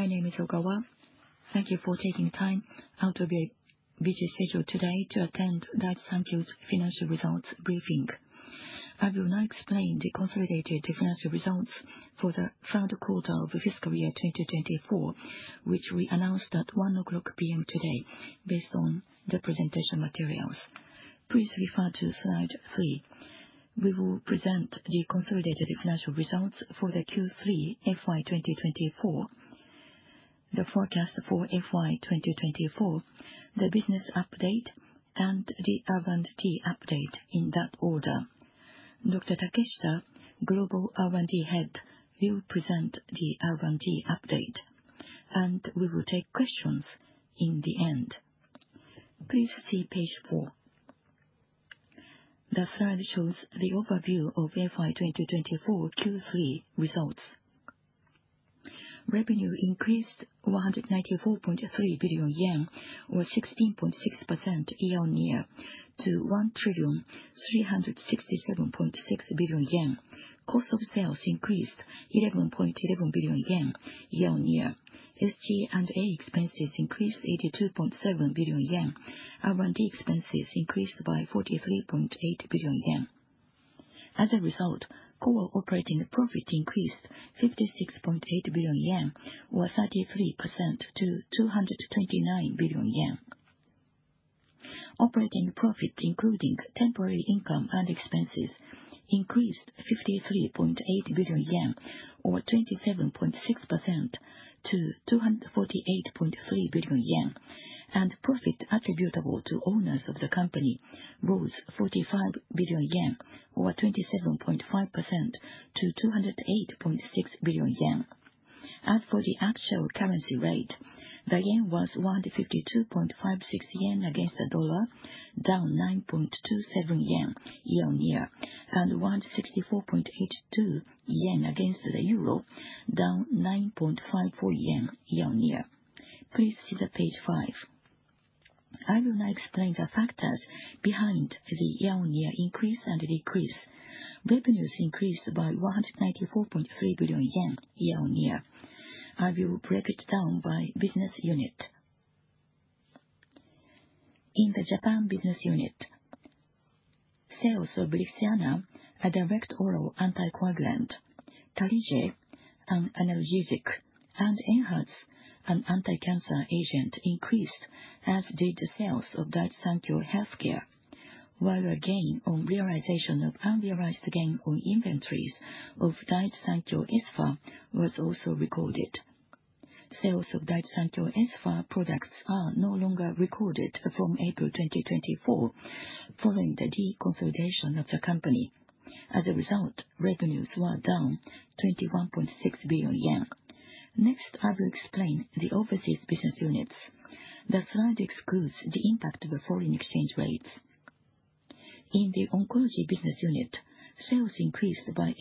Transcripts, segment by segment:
My name is Ogawa. Thank you for taking time out of your busy schedule today to attend Daiichi Sankyo's financial results briefing. I will now explain the consolidated financial results for the third quarter of fiscal year 2024, which we announced at 1:00 P.M. today based on the presentation materials. Please refer to slide 3. We will present the consolidated financial results for the Q3 FY 2024, the forecast for FY 2024, the business update, and the R&D update in that order. Dr. Takeshita, Global R&D Head, will present the R&D update, and we will take questions in the end. Please see page 4. The slide shows the overview of FY 2024 Q3 results. Revenue increased 194.3 billion yen, or 16.6% year-on-year, to 1,367.6 billion yen. Cost of sales increased 11.11 billion yen year-on-year. SG&A expenses increased 82.7 billion yen. R&D expenses increased by 43.8 billion yen. As a result, core operating profit increased 56.8 billion yen, or 33%, to 229 billion yen. Operating profit, including temporary income and expenses, increased 53.8 billion yen, or 27.6%, to 248.3 billion yen, and profit attributable to owners of the company rose 45 billion yen, or 27.5%, to 208.6 billion yen. As for the actual currency rate, the yen was 152.56 yen against the dollar, down 9.27 yen year-on-year, and 164.82 yen against the euro, down 9.54 yen year-on-year. Please see page 5. I will now explain the factors behind the year-on-year increase and decrease. Revenues increased by 194.3 billion yen year-on-year. I will break it down by business unit. In the Japan business unit, sales of Lixiana, a direct oral anticoagulant, Tarlige, an analgesic, and ENHERTU, an anticancer agent, increased, as did sales of Daiichi Sankyo Healthcare, while a gain on realization of unrealized gain on inventories of Daiichi Sankyo ESPHA was also recorded. Sales of Daiichi Sankyo ESPHA products are no longer recorded from April 2024, following the deconsolidation of the company. As a result, revenues were down 21.6 billion yen. Next, I will explain the overseas business units. The slide excludes the impact of foreign exchange rates. In the oncology business unit, sales increased by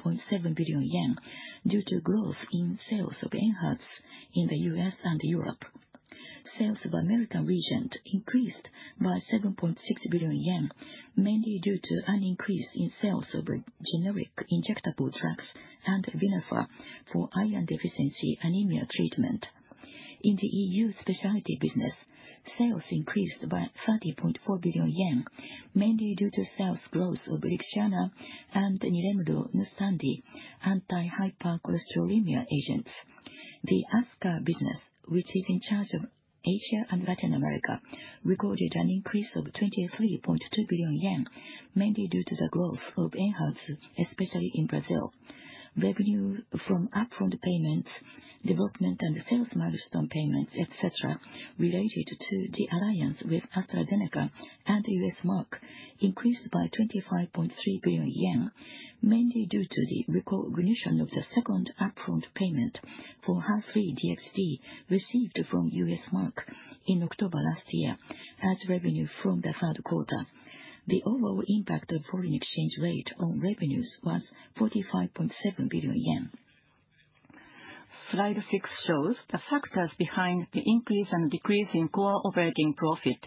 83.7 billion yen due to growth in sales of ENHERTU in the U.S. and Europe. Sales of American Regent increased by 7.6 billion yen, mainly due to an increase in sales of generic injectable drugs and Venofer for iron deficiency anemia treatment. In the EU specialty business, sales increased by 30.4 billion yen, mainly due to sales growth of Lixiana and ENHERTU sNDA anti-hypercholesterolemia agents. The ESPHA business, which is in charge of Asia and Latin America, recorded an increase of 23.2 billion yen, mainly due to the growth of ENHERTU, especially in Brazil. Revenue from upfront payments, development and sales milestone payments, etc., related to the alliance with AstraZeneca and U.S. Merck, increased by 25.3 billion yen, mainly due to the recognition of the second upfront payment for HER3-DXd received from U.S. Merck in October last year as revenue from the third quarter. The overall impact of foreign exchange rate on revenues was 45.7 billion yen. Slide 6 shows the factors behind the increase and decrease in core operating profit.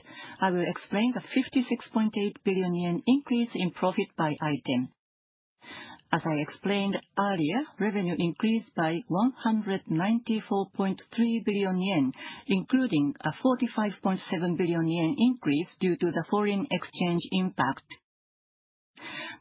I will explain the 56.8 billion yen increase in profit by item. As I explained earlier, revenue increased by 194.3 billion yen, including a 45.7 billion yen increase due to the foreign exchange impact.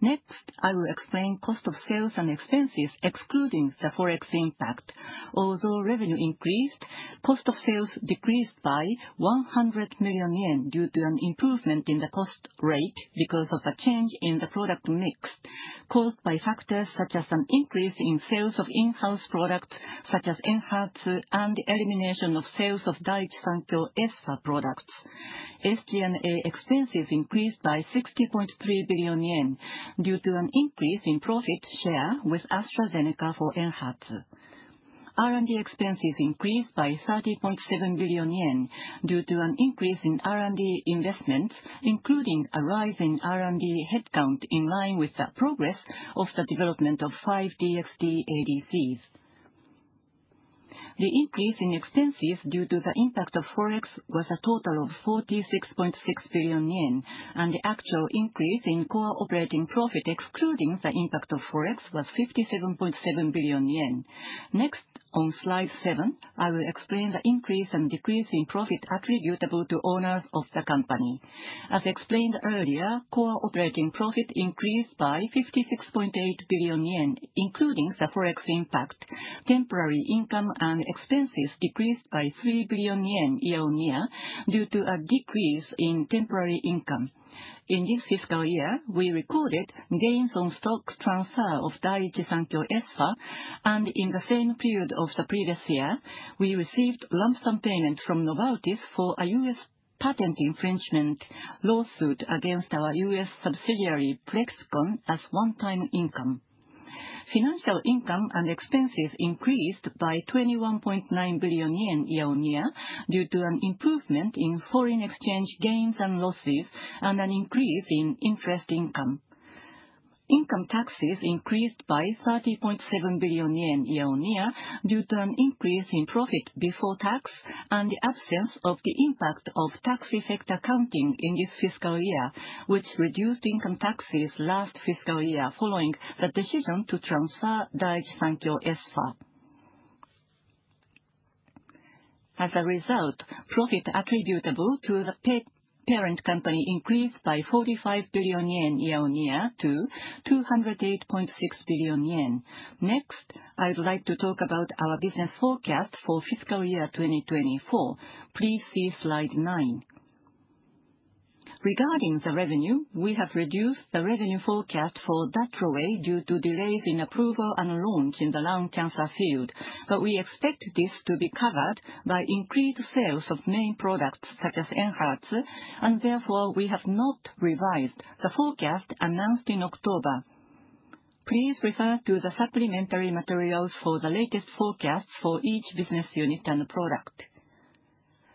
Next, I will explain cost of sales and expenses excluding the forex impact. Although revenue increased, cost of sales decreased by 100 million yen due to an improvement in the cost rate because of a change in the product mix caused by factors such as an increase in sales of in-house products such as ENHERTU and the elimination of sales of Daiichi Sankyo ESPHA products. SG&A expenses increased by 60.3 billion yen due to an increase in profit share with AstraZeneca for ENHERTU. R&D expenses increased by 30.7 billion yen due to an increase in R&D investments, including a rise in R&D headcount in line with the progress of the development of 5DXd-ADCs. The increase in expenses due to the impact of forex was a total of 46.6 billion yen, and the actual increase in core operating profit excluding the impact of forex was 57.7 billion yen. Next, on slide 7, I will explain the increase and decrease in profit attributable to owners of the company. As explained earlier, core operating profit increased by 56.8 billion yen, including the forex impact. Temporary income and expenses decreased by 3 billion yen year-on-year due to a decrease in temporary income. In this fiscal year, we recorded gains on stock transfer of Daiichi Sankyo ESPHA, and in the same period of the previous year, we received lump sum payments from Novartis for a U.S. patent infringement lawsuit against our U.S. subsidiary Plexxikon as one-time income. Financial income and expenses increased by 21.9 billion yen year-on-year due to an improvement in foreign exchange gains and losses and an increase in interest income. Income taxes increased by 30.7 billion yen year-on-year due to an increase in profit before tax and the absence of the impact of tax-effect accounting in this fiscal year, which reduced income taxes last fiscal year following the decision to transfer Daiichi Sankyo ESPHA. As a result, profit attributable to the parent company increased by 45 billion yen year-on-year to 208.6 billion yen. Next, I would like to talk about our business forecast for fiscal year 2024. Please see slide 9. Regarding the revenue, we have reduced the revenue forecast for DATROWAY due to delays in approval and launch in the lung cancer field, but we expect this to be covered by increased sales of main products such as ENHERTU, and therefore we have not revised the forecast announced in October. Please refer to the supplementary materials for the latest forecasts for each business unit and product.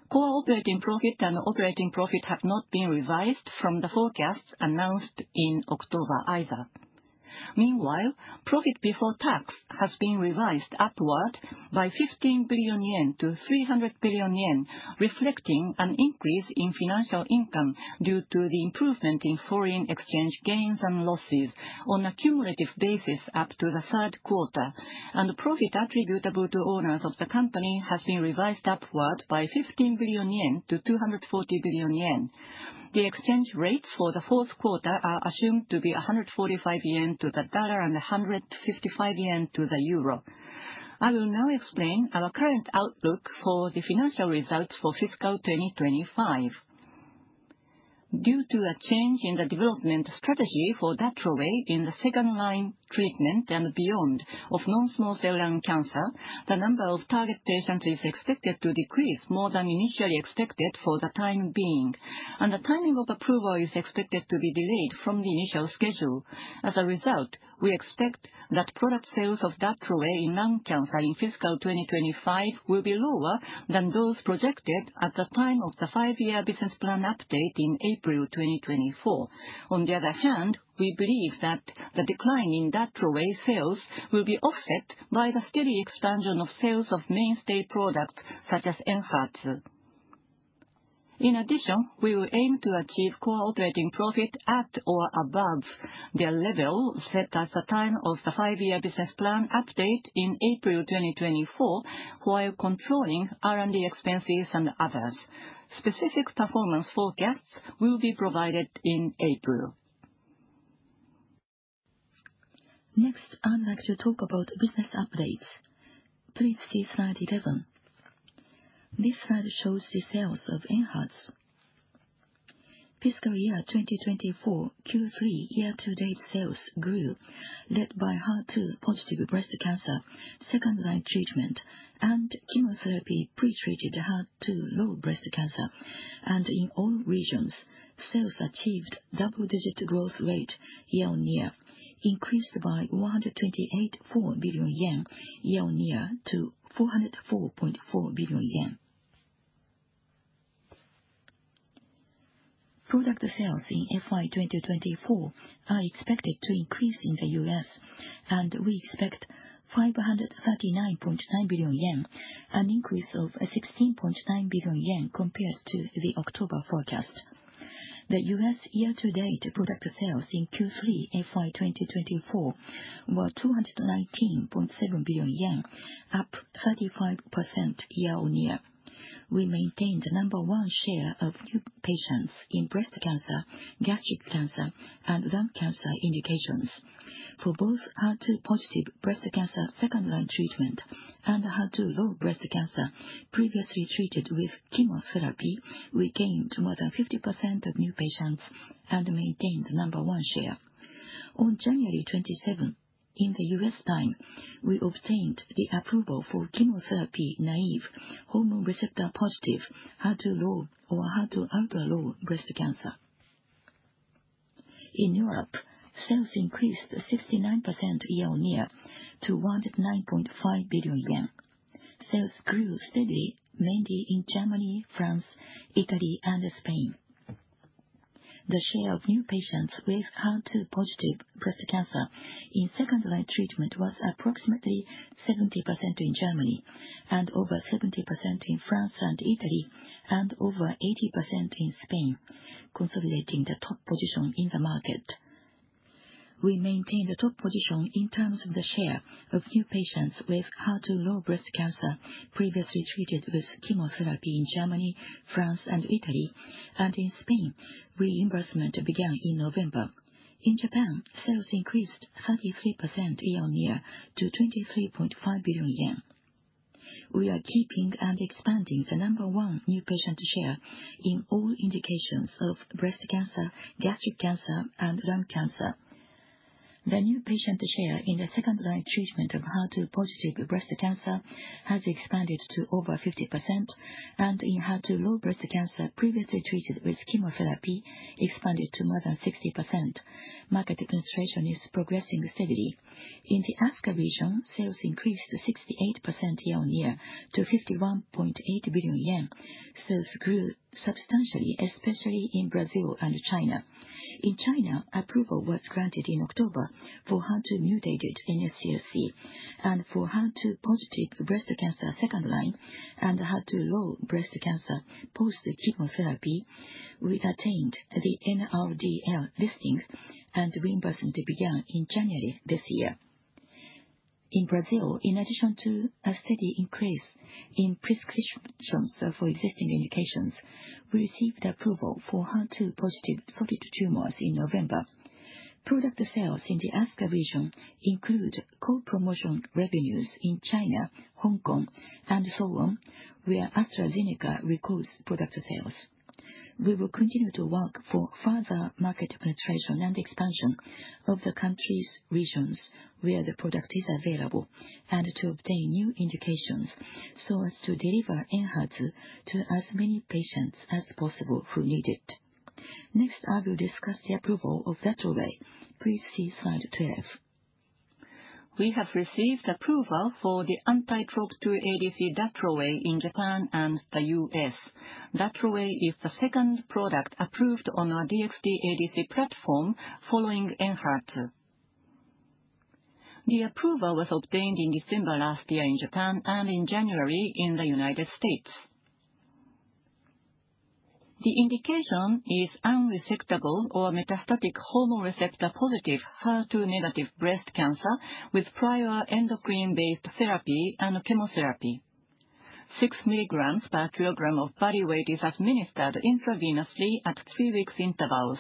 Core operating profit and operating profit have not been revised from the forecasts announced in October either. Meanwhile, profit before tax has been revised upward by 15 billion yen to 300 billion yen, reflecting an increase in financial income due to the improvement in foreign exchange gains and losses on a cumulative basis up to the third quarter, and profit attributable to owners of the company has been revised upward by 15 billion yen to 240 billion yen. The exchange rates for the fourth quarter are assumed to be 145 yen to the dollar and 155 yen to the euro. I will now explain our current outlook for the financial results for fiscal 2025. Due to a change in the development strategy for DATROWAY in the second-line treatment and beyond of non-small cell lung cancer, the number of target patients is expected to decrease more than initially expected for the time being, and the timing of approval is expected to be delayed from the initial schedule. As a result, we expect that product sales of DATROWAY in lung cancer in fiscal 2025 will be lower than those projected at the time of the five-year business plan update in April 2024. On the other hand, we believe that the decline in DATROWAY sales will be offset by the steady expansion of sales of mainstay products such as ENHERTU. In addition, we will aim to achieve core operating profit at or above the level set at the time of the five-year business plan update in April 2024 while controlling R&D expenses and others. Specific performance forecasts will be provided in April. Next, I'd like to talk about business updates. Please see slide 11. This slide shows the sales of ENHERTU. Fiscal year 2024 Q3 year-to-date sales grew led by HER2 positive breast cancer, second-line treatment, and chemotherapy-pretreated HER2 low breast cancer, and in all regions, sales achieved double-digit growth rate year-on-year, increased by 128.4 billion yen year-on-year to 404.4 billion yen. Product sales in FY 2024 are expected to increase in the U.S., and we expect 539.9 billion yen, an increase of 16.9 billion yen compared to the October forecast. The U.S. year-to-date product sales in Q3 FY 2024 were 219.7 billion yen, up 35% year-on-year. We maintained number one share of new patients in breast cancer, gastric cancer, and lung cancer indications. For both HER2 positive breast cancer second-line treatment and HER2 low breast cancer previously treated with chemotherapy, we gained more than 50% of new patients and maintained number one share. On January 27, in the U.S. time, we obtained the approval for chemotherapy naive hormone receptor positive HER2 low or HER2 ultra-low breast cancer. In Europe, sales increased 69% year-on-year to 109.5 billion yen. Sales grew steadily, mainly in Germany, France, Italy, and Spain. The share of new patients with HER2 positive breast cancer in second-line treatment was approximately 70% in Germany and over 70% in France and Italy, and over 80% in Spain, consolidating the top position in the market. We maintained the top position in terms of the share of new patients with HER2 low breast cancer previously treated with chemotherapy in Germany, France, and Italy, and in Spain. Reimbursement began in November. In Japan, sales increased 33% year-on-year to 23.5 billion yen. We are keeping and expanding the number one new patient share in all indications of breast cancer, gastric cancer, and lung cancer. The new patient share in the second-line treatment of HER2-positive breast cancer has expanded to over 50%, and in HER2-low breast cancer previously treated with chemotherapy, expanded to more than 60%. Market penetration is progressing steadily. In the ASCA region, sales increased 68% year-on-year to 51.8 billion yen. Sales grew substantially, especially in Brazil and China. In China, approval was granted in October for HER2-mutated NSCLC and for HER2-positive breast cancer second-line and HER2-low breast cancer post-chemotherapy. We attained the NRDL listings, and reimbursement began in January this year. In Brazil, in addition to a steady increase in prescriptions for existing indications, we received approval for HER2-positive solid tumors in November. Product sales in the ASCA region include co-promotion revenues in China, Hong Kong, and so on, where AstraZeneca records product sales. We will continue to work for further market penetration and expansion of the country's regions where the product is available and to obtain new indications so as to deliver ENHERTU to as many patients as possible who need it. Next, I will discuss the approval of DATROWAY. Please see slide 12. We have received approval for the TROP2 ADC DATROWAY in Japan and the U.S. DATROWAY is the second product approved on our DXd ADC platform following ENHERTU. The approval was obtained in December last year in Japan and in January in the United States. The indication is unresectable or metastatic hormone receptor positive HER2 negative breast cancer with prior endocrine-based therapy and chemotherapy. 6 mg/kg of body weight is administered intravenously at three-week intervals.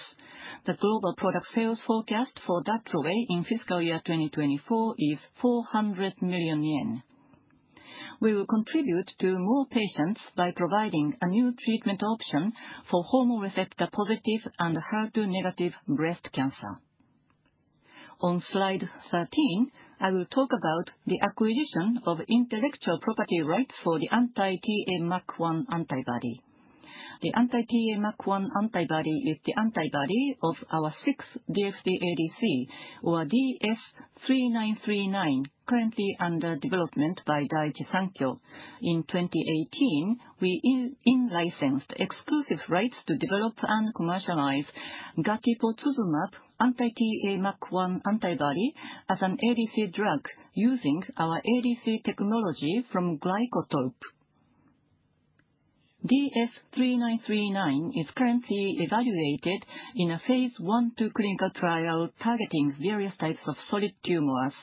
The global product sales forecast for DATROWAY in fiscal year 2024 is 400 million yen. We will contribute to more patients by providing a new treatment option for hormone receptor positive and HER2-negative breast cancer. On slide 13, I will talk about the acquisition of intellectual property rights for the anti-TA-MUC1 antibody. The anti-TA-MUC1 antibody is the antibody of our sixth DXd ADC, or DS-3939, currently under development by Daiichi Sankyo. In 2018, we in-licensed exclusive rights to develop and commercialize gatipotuzumab anti-TA-MUC1 antibody as an ADC drug using our ADC technology from Glycotope. DS-3939 is currently evaluated in a phase I-II clinical trial targeting various types of solid tumors.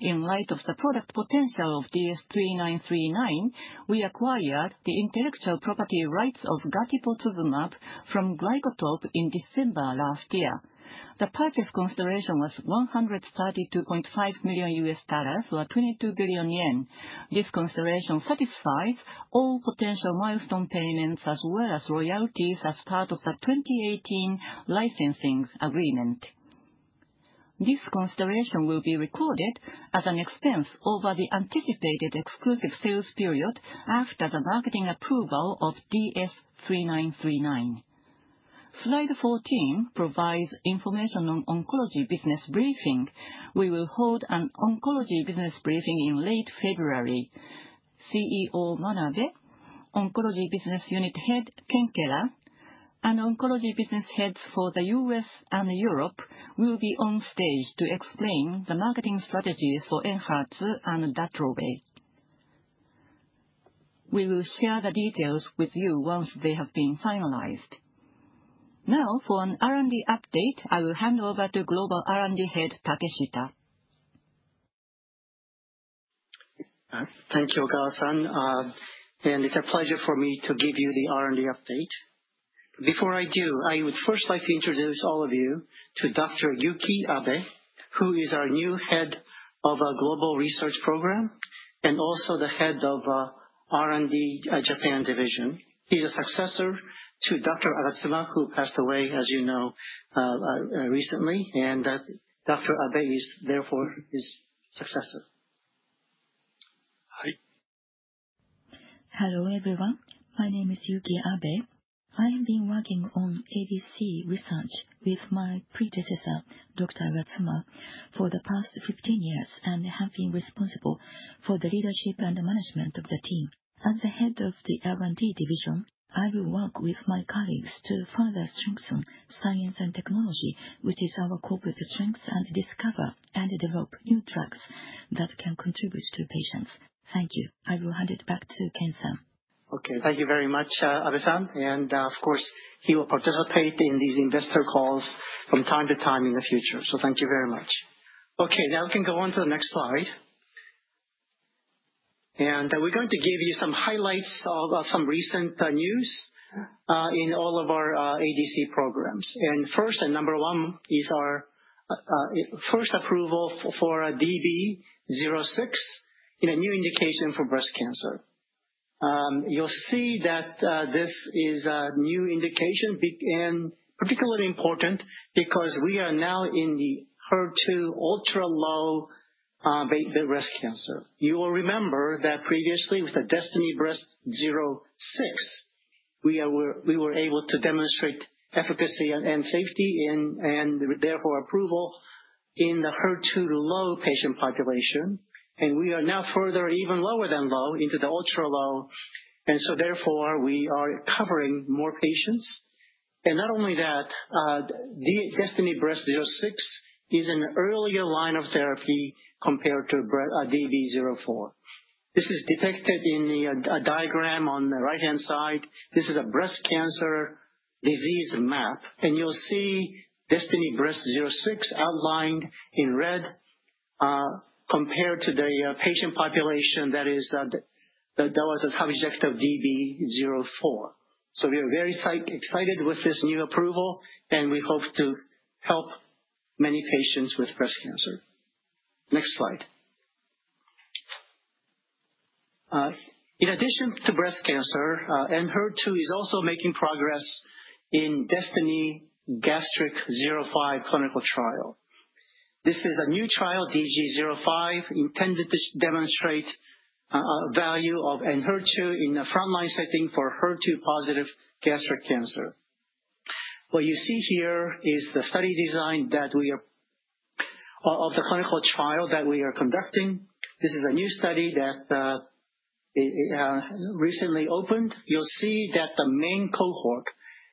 In light of the product potential of DS-3939, we acquired the intellectual property rights of gatipotuzumab from Glycotope in December last year. The purchase consideration was $132.5 million or 22 billion yen. This consideration satisfies all potential milestone payments as well as royalties as part of the 2018 licensing agreement. This consideration will be recorded as an expense over the anticipated exclusive sales period after the marketing approval of DS-3939. Slide 14 provides information on oncology business briefing. We will hold an oncology business briefing in late February. CEO Manabe, Oncology Business Unit Head Ken Keller, and oncology business heads for the U.S. and Europe will be on stage to explain the marketing strategies for ENHERTU and DATROWAY. We will share the details with you once they have been finalized. Now, for an R&D update, I will hand over to global R&D head Takeshita. Thank you, Ogawa-san. It's a pleasure for me to give you the R&D update. Before I do, I would first like to introduce all of you to Dr. Yuki Abe, who is our new head of our global research program and also the head of our R&D Japan division. He's a successor to Dr. Agatsuma, who passed away, as you know, recently, and Dr. Abe is therefore his successor. Hi. Hello everyone. My name is Yuki Abe. I have been working on ADC research with my predecessor, Dr. Agatsuma, for the past 15 years and have been responsible for the leadership and management of the team. As the head of the R&D division, I will work with my colleagues to further strengthen science and technology, which is our corporate strength, and discover and develop new drugs that can contribute to patients. Thank you. I will hand it back to Ken-san. Okay. Thank you very much, Abe-san. And of course, he will participate in these investor calls from time to time in the future. So thank you very much. Okay. Now we can go on to the next slide. We're going to give you some highlights of some recent news in all of our ADC programs. First, and number one is our first approval for DB06 in a new indication for breast cancer. You'll see that this is a new indication and particularly important because we are now in the HER2-ultra-low breast cancer. You will remember that previously with the DESTINY-Breast06, we were able to demonstrate efficacy and safety and therefore approval in the HER2-low patient population. We are now further even lower than low into the ultra-low. So therefore, we are covering more patients. Not only that, DESTINY-Breast06 is an earlier line of therapy compared to DB04. This is depicted in the diagram on the right-hand side. This is a breast cancer disease map. You'll see DESTINY-Breast06 outlined in red compared to the patient population that was a subject of DB04. We are very excited with this new approval, and we hope to help many patients with breast cancer. Next slide. In addition to breast cancer, ENHERTU is also making progress in DESTINY-Gastric05 clinical trial. This is a new trial, DG05, intended to demonstrate the value of ENHERTU in a front-line setting for HER2 positive gastric cancer. What you see here is the study design of the clinical trial that we are conducting. This is a new study that recently opened. You'll see that the main cohort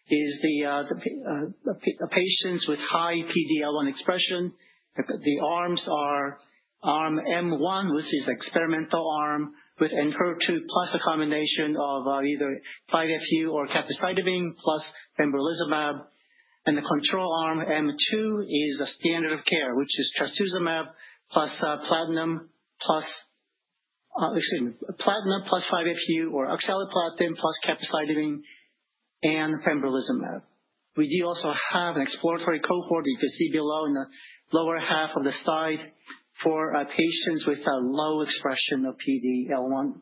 is the patients with high PD-L1 expression. The arms are arm M1, which is the experimental arm with ENHERTU plus a combination of either 5-FU or capecitabine plus pembrolizumab. The control arm M2 is a standard of care, which is trastuzumab plus platinum plus excuse me, platinum plus 5-FU or oxaliplatin plus capecitabine and pembrolizumab. We do also have an exploratory cohort that you can see below in the lower half of the slide for patients with low expression of PD-L1.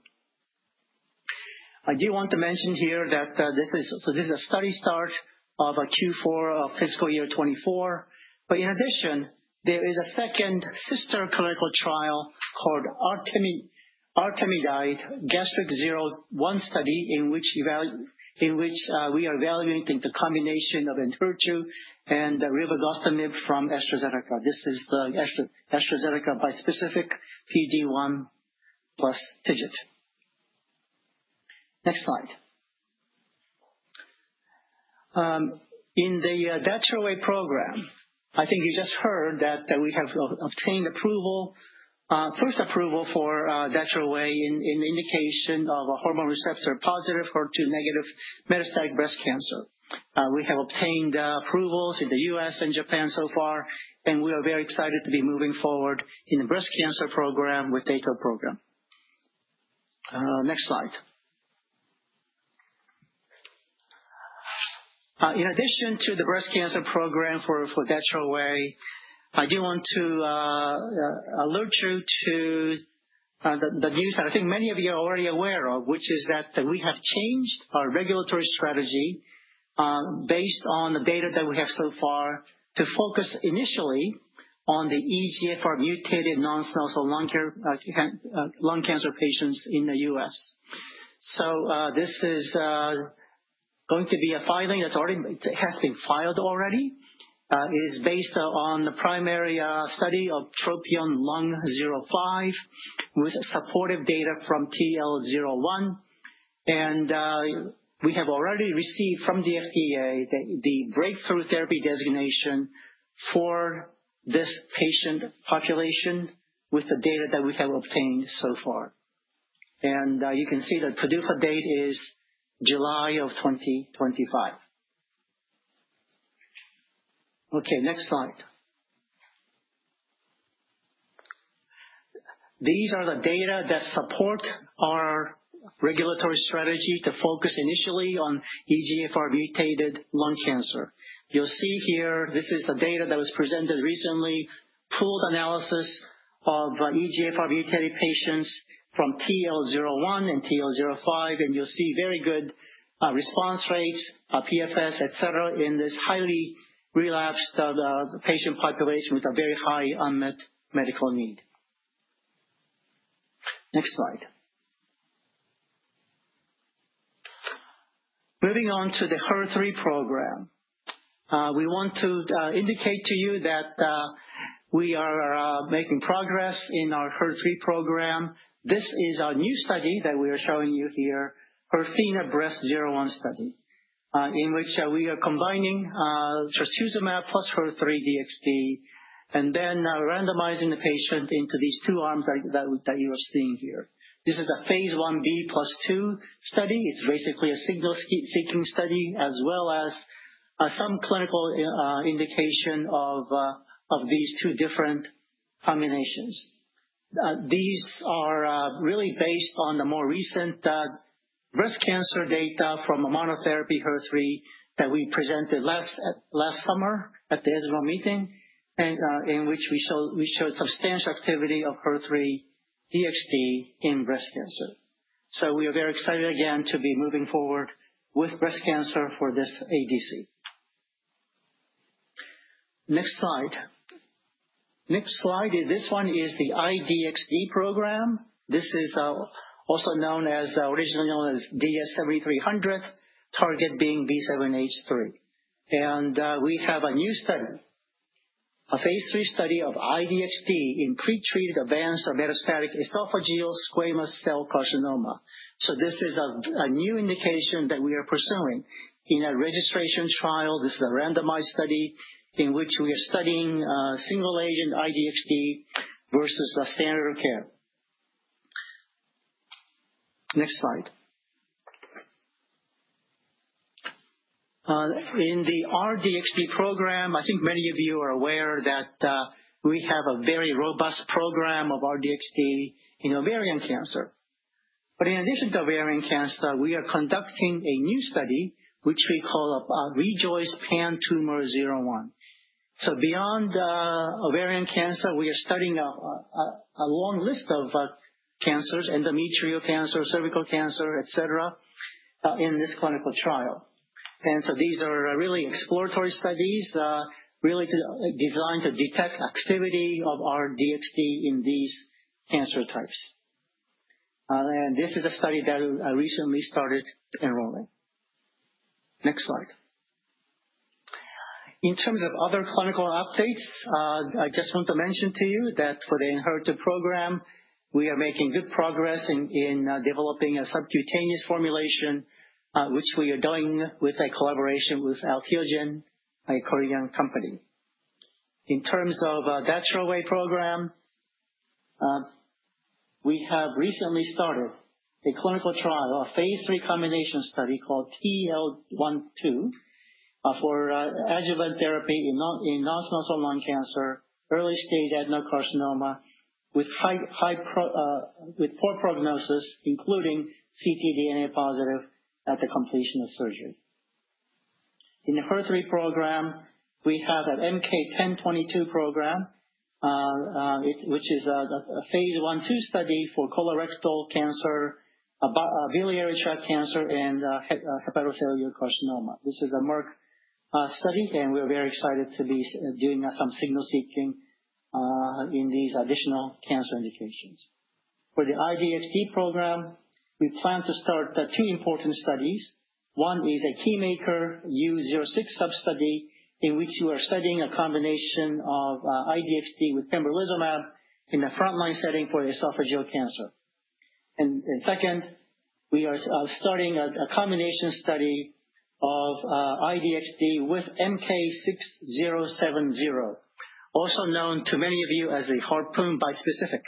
I do want to mention here that this is a study start of Q4 of fiscal year 2024. But in addition, there is a second sister clinical trial called ARTEMIDE-Gastric01 study in which we are evaluating the combination of ENHERTU and rilvegostomig from AstraZeneca. This is the AstraZeneca bispecific PD-1 plus TIGIT. Next slide. In the DATROWAY program, I think you just heard that we have obtained approval, first approval for DATROWAY in the indication of a hormone receptor positive HER2 negative metastatic breast cancer. We have obtained approvals in the U.S. and Japan so far, and we are very excited to be moving forward in the breast cancer program with Dato program. Next slide. In addition to the breast cancer program for DATROWAY, I do want to alert you to the news that I think many of you are already aware of, which is that we have changed our regulatory strategy based on the data that we have so far to focus initially on the EGFR mutated non-small cell lung cancer patients in the U.S. So this is going to be a filing that's already been filed. It is based on the primary study of TROPION-Lung05 with supportive data from TL01. And we have already received from the FDA the breakthrough therapy designation for this patient population with the data that we have obtained so far. You can see that PDUFA date is July of 2025. Okay. Next slide. These are the data that support our regulatory strategy to focus initially on EGFR mutated lung cancer. You'll see here this is the data that was presented recently, pooled analysis of EGFR mutated patients from TL01 and TL05. You'll see very good response rates, PFS, etc., in this highly relapsed patient population with a very high unmet medical need. Next slide. Moving on to the HER3 program, we want to indicate to you that we are making progress in our HER3 program. This is our new study that we are showing you here, TROPION-Breast01 study, in which we are combining trastuzumab plus HER3 DXd and then randomizing the patient into these two arms that you are seeing here. This is a phase I-B plus II study. It's basically a signal seeking study as well as some clinical indication of these two different combinations. These are really based on the more recent breast cancer data from a monotherapy HER3-DXd that we presented last summer at the ESMO meeting and in which we showed substantial activity of HER3-DXd in breast cancer. So we are very excited again to be moving forward with breast cancer for this ADC. Next slide. Next slide is this one the I-DXd program. This is also known as originally known as DS-7300, target being B7-H3. And we have a new study, a phase III study of I-DXd in pretreated advanced metastatic esophageal squamous cell carcinoma. So this is a new indication that we are pursuing in a registration trial. This is a randomized study in which we are studying single agent I-DXd versus a standard of care. Next slide. In the R-DXd program, I think many of you are aware that we have a very robust program of R-DXd in ovarian cancer. But in addition to ovarian cancer, we are conducting a new study which we call REJOICE-PanTumor01. So beyond ovarian cancer, we are studying a long list of cancers, endometrial cancer, cervical cancer, etc., in this clinical trial. And so these are really exploratory studies really designed to detect activity of our DXd in these cancer types. And this is a study that I recently started enrolling. Next slide. In terms of other clinical updates, I just want to mention to you that for the ENHERTU program, we are making good progress in developing a subcutaneous formulation, which we are doing with a collaboration with Alteogen, a Korean company. In terms of DATROWAY program, we have recently started a clinical trial, a phase III combination study called TL12 for adjuvant therapy in non-small cell lung cancer, early stage adenocarcinoma with poor prognosis, including ctDNA positive at the completion of surgery. In the HER3 program, we have an MK-1022 program, which is a phase I-II study for colorectal cancer, biliary tract cancer, and hepatocellular carcinoma. This is a Merck study, and we're very excited to be doing some signal seeking in these additional cancer indications. For the I-DXd program, we plan to start two important studies. One is a KEYMAKER-U06 sub-study in which you are studying a combination of I-DXd with pembrolizumab in the front-line setting for esophageal cancer, and second, we are starting a combination study of I-DXd with MK-6070, also known to many of you as the harpoon bispecific.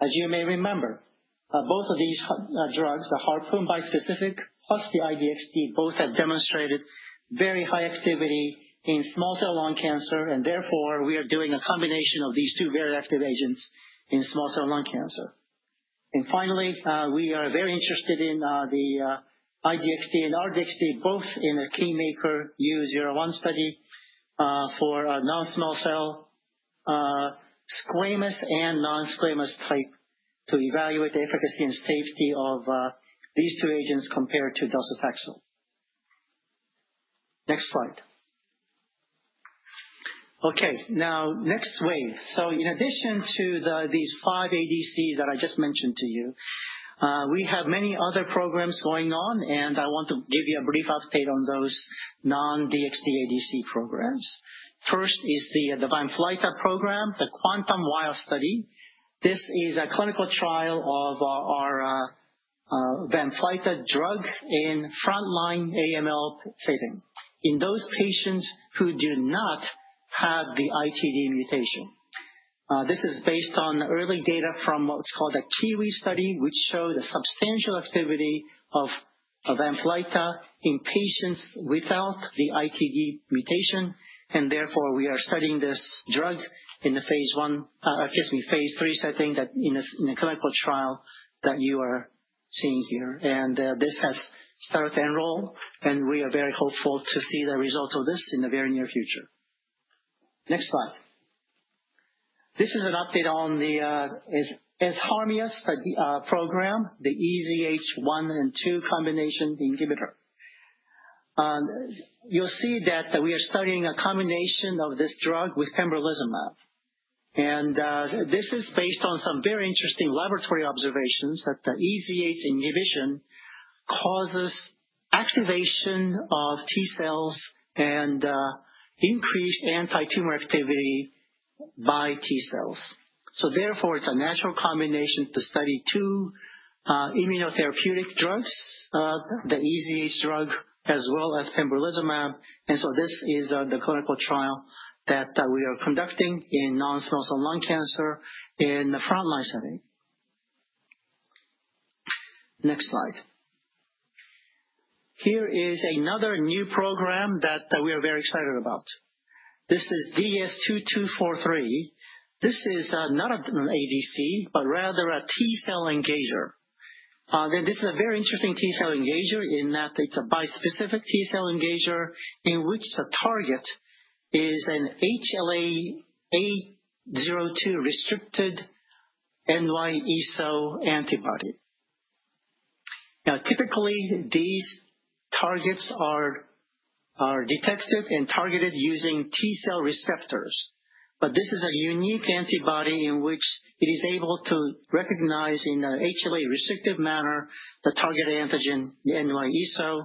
As you may remember, both of these drugs, the harpoon bispecific plus the I-DXd, both have demonstrated very high activity in small cell lung cancer. And therefore, we are doing a combination of these two very active agents in small cell lung cancer. And finally, we are very interested in the I-DXd and R-DXd, both in a KEYMAKER-U01 study for non-small cell squamous and non-squamous type to evaluate the efficacy and safety of these two agents compared to docetaxel. Next slide. Okay. Now, next wave. So in addition to these five ADCs that I just mentioned to you, we have many other programs going on, and I want to give you a brief update on those non-DXd ADC programs. First is the VANFLYTA program, the QuANTUM-R study. This is a clinical trial of our VANFLYTA drug in front-line AML setting in those patients who do not have the ITD mutation. This is based on early data from what's called a QUIWI study, which showed a substantial activity of VANFLYTA in patients without the ITD mutation, and therefore, we are studying this drug in the phase I, excuse me, phase III setting, in a clinical trial that you are seeing here, and this has started to enroll, and we are very hopeful to see the results of this in the very near future. Next slide. This is an update on the EZHARMIA program, the EZH1 and 2 combination inhibitor. You'll see that we are studying a combination of this drug with pembrolizumab. This is based on some very interesting laboratory observations that the EZH inhibition causes activation of T cells and increased anti-tumor activity by T cells. Therefore, it's a natural combination to study two immunotherapeutic drugs, the EZH drug as well as pembrolizumab. This is the clinical trial that we are conducting in non-small cell lung cancer in the front-line setting. Next slide. Here is another new program that we are very excited about. This is DS-2243. This is not an ADC, but rather a T cell engager. This is a very interesting T cell engager in that it's a bispecific T cell engager in which the target is an HLA-A*02 restricted NY-ESO antibody. Now, typically, these targets are detected and targeted using T cell receptors. But this is a unique antibody in which it is able to recognize in an HLA-restricted manner the target antigen, the NY-ESO.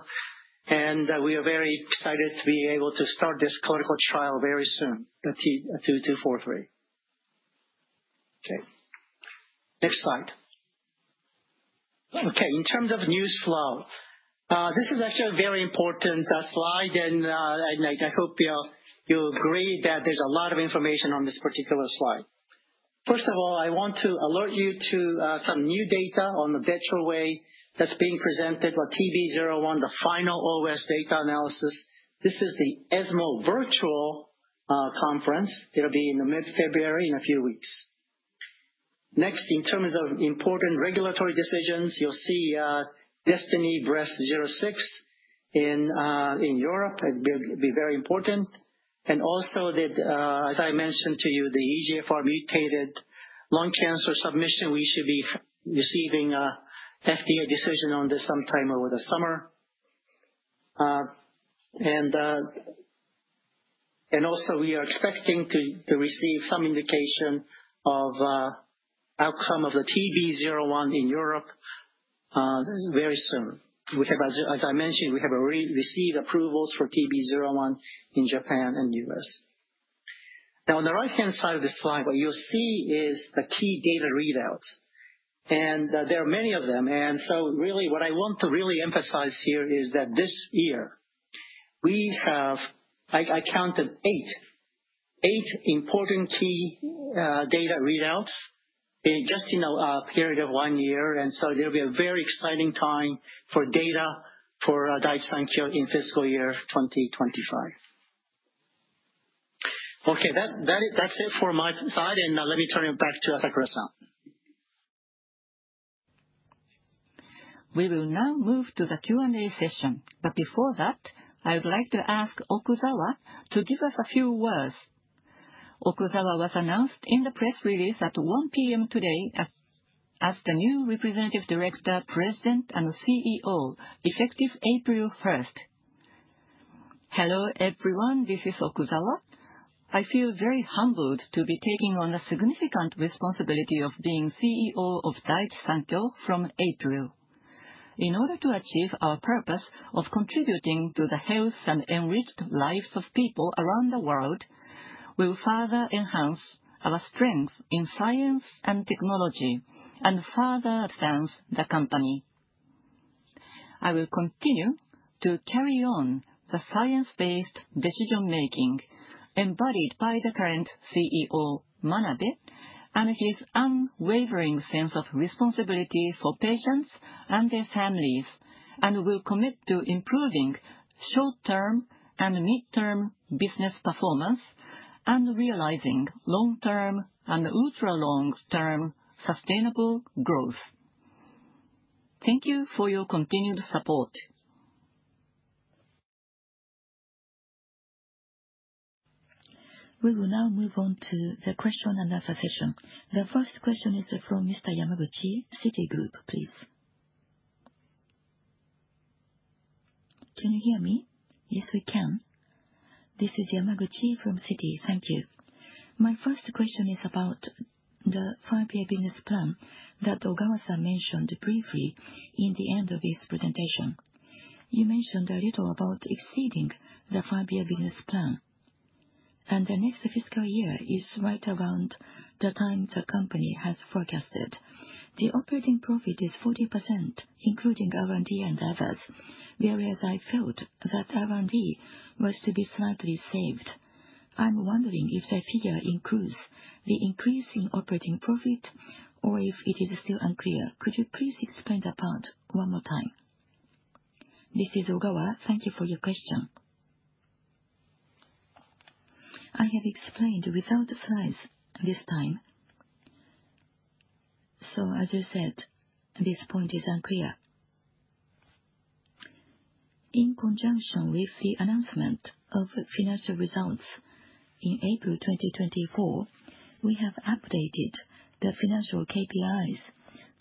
And we are very excited to be able to start this clinical trial very soon, the DS-2243. Okay. Next slide. Okay. In terms of news flow, this is actually a very important slide, and I hope you agree that there's a lot of information on this particular slide. First of all, I want to alert you to some new data on the DATROWAY that's being presented, TB01, the final OS data analysis. This is the ESMO virtual conference. It'll be in mid-February in a few weeks. Next, in terms of important regulatory decisions, you'll see DESTINY-Breast06 in Europe. It will be very important. Also, as I mentioned to you, the EGFR mutated lung cancer submission, we should be receiving FDA decision on this sometime over the summer. Also, we are expecting to receive some indication of outcome of the TB01 in Europe very soon. As I mentioned, we have already received approvals for TB01 in Japan and the U.S. Now, on the right-hand side of the slide, what you'll see is the key data readouts. And there are many of them. So really, what I want to really emphasize here is that this year, we have I counted eight, eight important key data readouts just in a period of one year. So there'll be a very exciting time for data for Daiichi Sankyo in fiscal year 2025. Okay. That's it for my side. Let me turn it back to Asakura-san. We will now move to the Q&A session. But before that, I would like to ask Okuzawa to give us a few words. Okuzawa was announced in the press release at 1:00 P.M. today as the new representative director, president, and CEO, effective April 1st. Hello everyone. This is Okuzawa. I feel very humbled to be taking on the significant responsibility of being CEO of Daiichi Sankyo from April. In order to achieve our purpose of contributing to the health and enriched lives of people around the world, we will further enhance our strength in science and technology and further advance the company. I will continue to carry on the science-based decision-making embodied by the current CEO, Manabe, and his unwavering sense of responsibility for patients and their families, and will commit to improving short-term and mid-term business performance and realizing long-term and ultra-long-term sustainable growth. Thank you for your continued support. We will now move on to the question and answer session. The first question is from Mr. Yamaguchi, Citigroup, please. Can you hear me? Yes, we can. This is Yamaguchi from Citi. Thank you. My first question is about the five-year business plan that Ogawa-san mentioned briefly in the end of his presentation. You mentioned a little about exceeding the five-year business plan. And the next fiscal year is right around the time the company has forecasted. The operating profit is 40%, including R&D and others, whereas I felt that R&D was to be slightly saved. I'm wondering if the figure includes the increasing operating profit or if it is still unclear. Could you please explain the part one more time? This is Ogawa. Thank you for your question. I have explained without slides this time. So, as I said, this point is unclear. In conjunction with the announcement of financial results in April 2024, we have updated the financial KPIs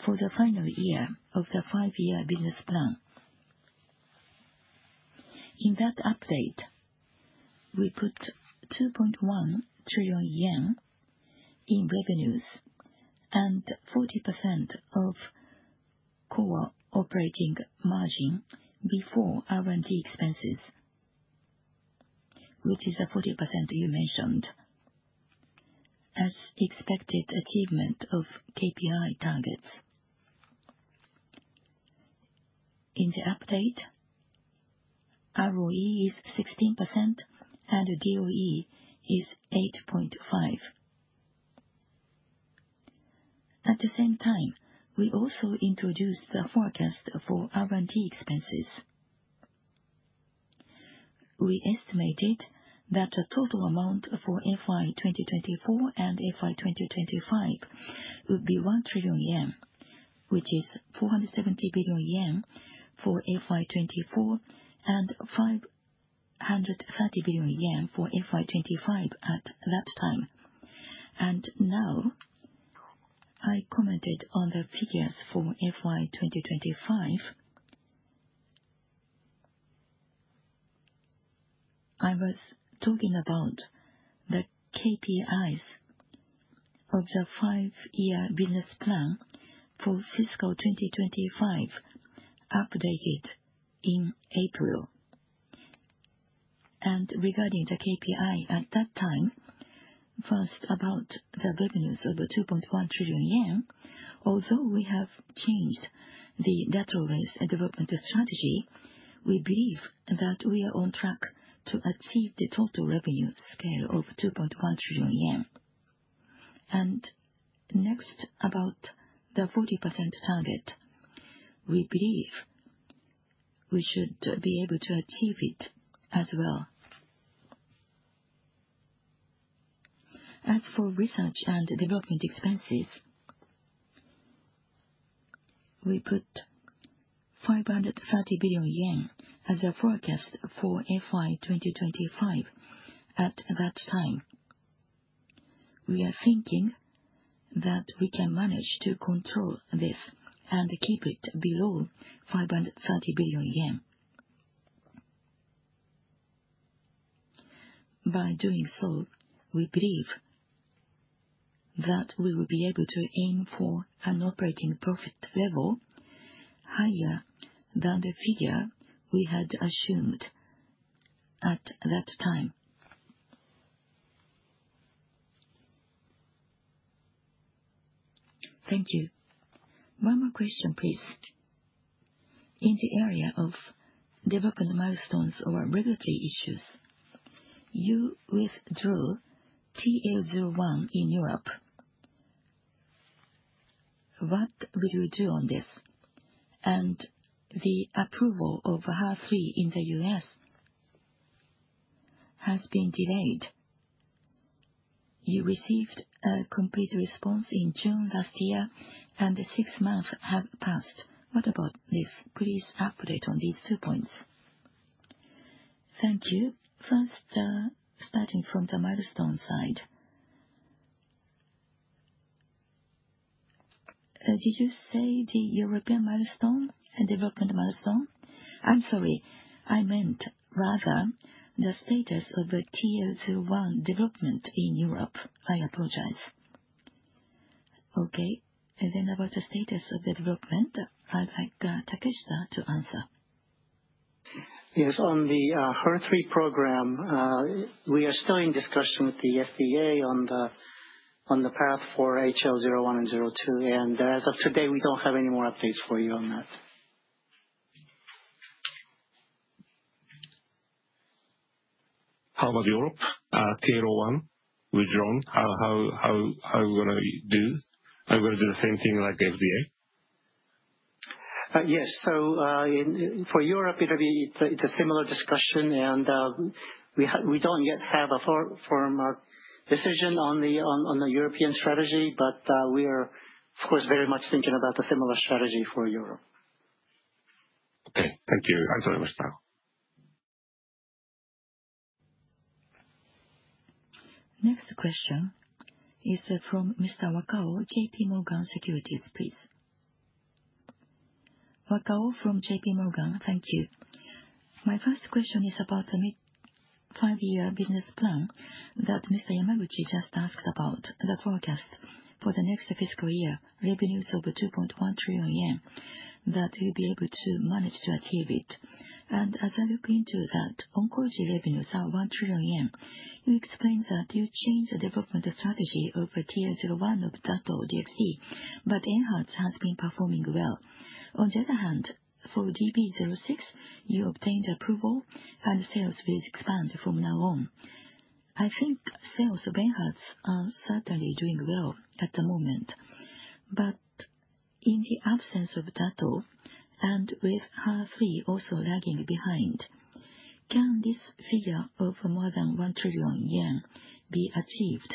for the final year of the five-year business plan. In that update, we put 2.1 trillion yen in revenues and 40% of core operating margin before R&D expenses, which is a 40% you mentioned, as expected achievement of KPI targets. In the update, ROE is 16% and DOE is 8.5. At the same time, we also introduced the forecast for R&D expenses. We estimated that the total amount for FY 2024 and FY 2025 would be 1 trillion yen, which is 470 billion yen for FY 2024 and 530 billion yen for FY 2025 at that time, and now, I commented on the figures for FY 2025. I was talking about the KPIs of the five-year business plan for fiscal 2025 updated in April. Regarding the KPI at that time, first, about the revenues of 2.1 trillion yen, although we have changed the DATROWAY's development strategy, we believe that we are on track to achieve the total revenue scale of 2.1 trillion yen. Next, about the 40% target, we believe we should be able to achieve it as well. As for research and development expenses, we put 530 billion yen as a forecast for FY 2025 at that time. We are thinking that we can manage to control this and keep it below 530 billion yen. By doing so, we believe that we will be able to aim for an operating profit level higher than the figure we had assumed at that time. Thank you. One more question, please. In the area of development milestones or regulatory issues, you withdrew TL01 in Europe. What will you do on this? The approval of HER3 in the U.S. has been delayed. You received a complete response in June last year, and six months have passed. What about this? Please update on these two points. Thank you. First, starting from the milestone side. Did you say the European milestone and development milestone? I'm sorry. I meant rather the status of TL01 development in Europe. I apologize. Okay. And then about the status of the development, I'd like Takeshita to answer. Yes. On the HER3 program, we are still in discussion with the FDA on the path for HL01 and 02. And as of today, we don't have any more updates for you on that. How about Europe? TL01 withdrawn. How are we going to do? Are we going to do the same thing like FDA? Yes. So for Europe, it's a similar discussion. We don't yet have a formal decision on the European strategy, but we are, of course, very much thinking about a similar strategy for Europe. Okay. Thank you. Asakura-san. Next question is from Mr. Wakao, JP Morgan Securities, please. Wakao from JPMorgan. Thank you. My first question is about the mid-five-year business plan that Mr. Yamaguchi just asked about, the forecast for the next fiscal year, revenues over 2.1 trillion yen that you'll be able to manage to achieve it. And as I look into that, oncology revenues are 1 trillion yen. You explained that you changed the development strategy of TL01 of Dato-DXd, but ENHERTU has been performing well. On the other hand, for DB06, you obtained approval, and sales will expand from now on. I think sales of ENHERTU are certainly doing well at the moment. But in the absence of Dato and with HER3 also lagging behind, can this figure of more than 1 trillion yen be achieved,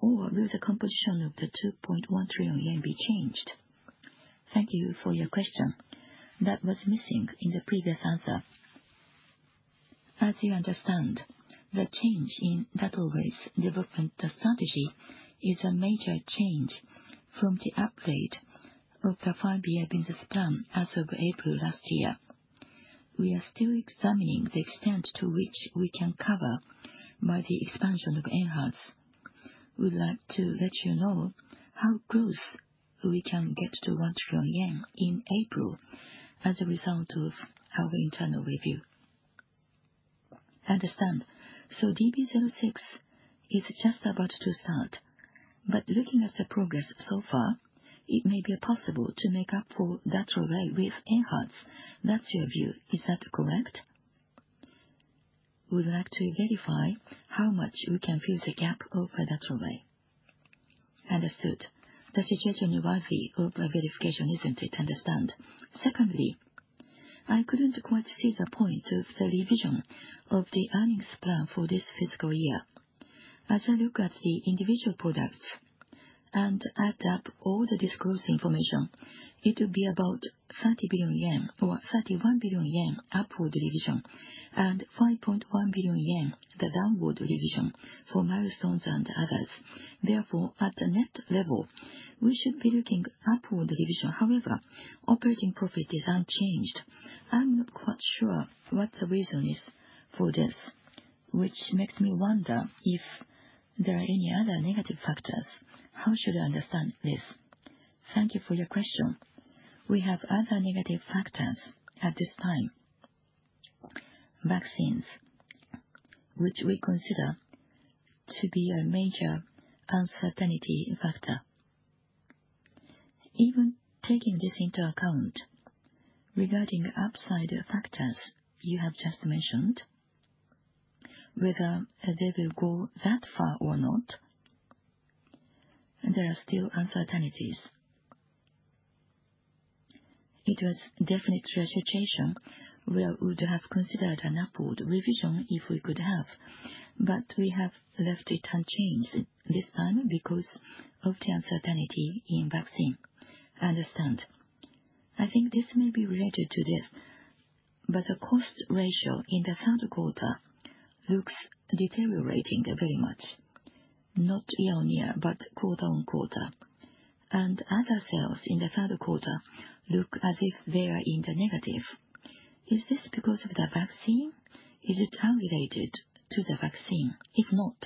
or will the composition of the 2.1 trillion yen be changed? Thank you for your question. That was missing in the previous answer. As you understand, the change in Dato's development strategy is a major change from the update of the five-year business plan as of April last year. We are still examining the extent to which we can cover by the expansion of ENHERTU. We'd like to let you know how close we can get to JPY 1 trillion in April as a result of our internal review. I understand. So DB06 is just about to start. But looking at the progress so far, it may be possible to make up for Dato with ENHERTU. That's your view, is that correct? We'd like to verify how much we can fill the gap of Dato. Understood. The situation is worthy of verification, isn't it? I understand. Secondly, I couldn't quite see the point of the revision of the earnings plan for this fiscal year. As I look at the individual products and add up all the disclosed information, it would be about 30 billion yen or 31 billion yen upward revision and 5.1 billion yen the downward revision for milestones and others. Therefore, at the net level, we should be looking upward revision. However, operating profit is unchanged. I'm not quite sure what the reason is for this, which makes me wonder if there are any other negative factors. How should I understand this? Thank you for your question. We have other negative factors at this time, vaccines, which we consider to be a major uncertainty factor. Even taking this into account, regarding upside factors you have just mentioned, whether they will go that far or not, there are still uncertainties. It was definitely a situation where we would have considered an upward revision if we could have, but we have left it unchanged this time because of the uncertainty in vaccine. I understand. I think this may be related to this, but the cost ratio in the third quarter looks deteriorating very much, not year on year, but quarter on quarter. Other sales in the third quarter look as if they are in the negative. Is this because of the vaccine? Is it unrelated to the vaccine? If not,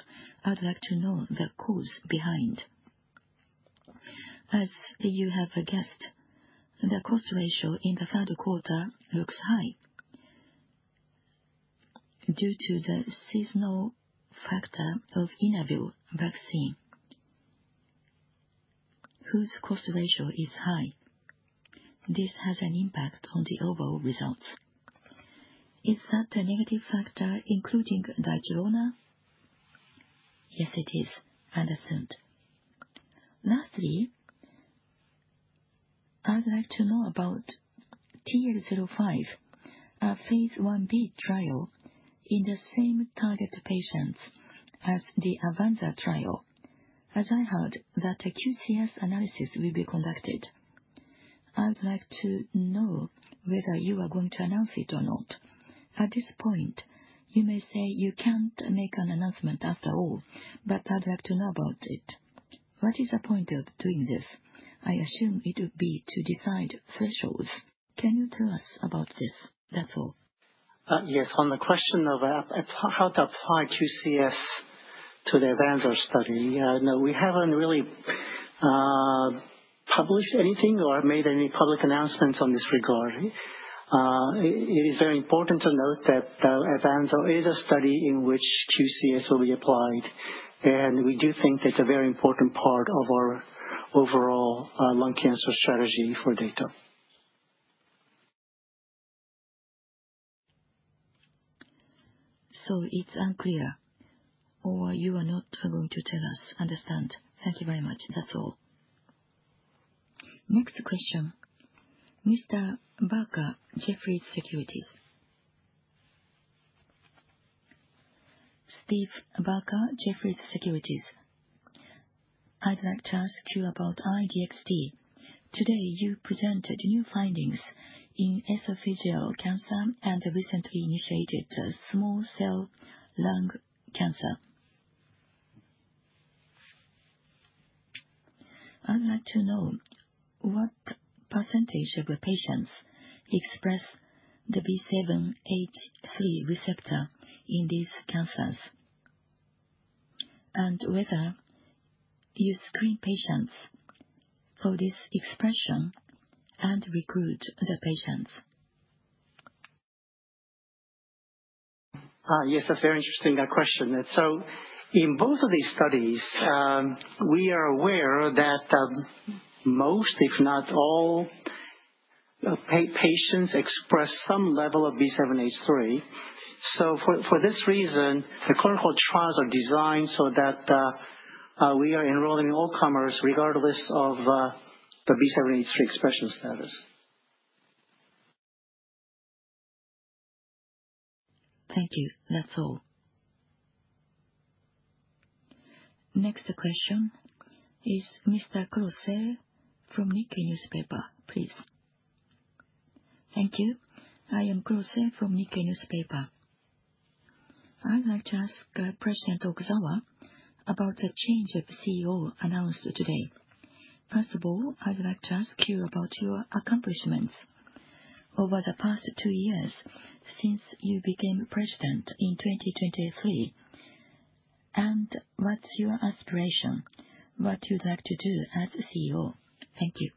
I'd like to know the cause behind. As you have guessed, the cost ratio in the third quarter looks high due to the seasonal factor of influenza vaccine, whose cost ratio is high. This has an impact on the overall results. Is that a negative factor, including DATROWAY? Yes, it is. I understand. Lastly, I'd like to know about TL05, a phase I-B trial in the same target patients as the AVANZAR trial. As I heard, that QCS analysis will be conducted. I would like to know whether you are going to announce it or not. At this point, you may say you can't make an announcement after all, but I'd like to know about it. What is the point of doing this? I assume it would be to decide thresholds. Can you tell us about this? That's all. Yes. On the question of how to apply QCS to the AVANZAR study, we haven't really published anything or made any public announcements on this regard. It is very important to note that AVANZAR is a study in which QCS will be applied, and we do think it's a very important part of our overall lung cancer strategy for Dato. So it's unclear, or you are not going to tell us. I understand. Thank you very much. That's all. Next question. Mr. Baker, Jefferies Securities. Steve Baker, Jefferies Securities. I'd like to ask you about I-DXd. Today, you presented new findings in esophageal cancer and recently initiated small cell lung cancer. I'd like to know what percentage of patients express the B7-H3 receptor in these cancers and whether you screen patients for this expression and recruit the patients. Yes, that's a very interesting question. So in both of these studies, we are aware that most, if not all, patients express some level of B7-H3. So for this reason, the clinical trials are designed so that we are enrolling in all comers regardless of the B7-H3 expression status. Thank you. That's all. Next question is Mr. Kurose from Nikkei Newspaper, please. Thank you. I am Kurose from Nikkei Newspaper. I'd like to ask President Okuzawa about the change of CEO announced today. First of all, I'd like to ask you about your accomplishments over the past two years since you became president in 2023 and what's your aspiration, what you'd like to do as CEO. Thank you.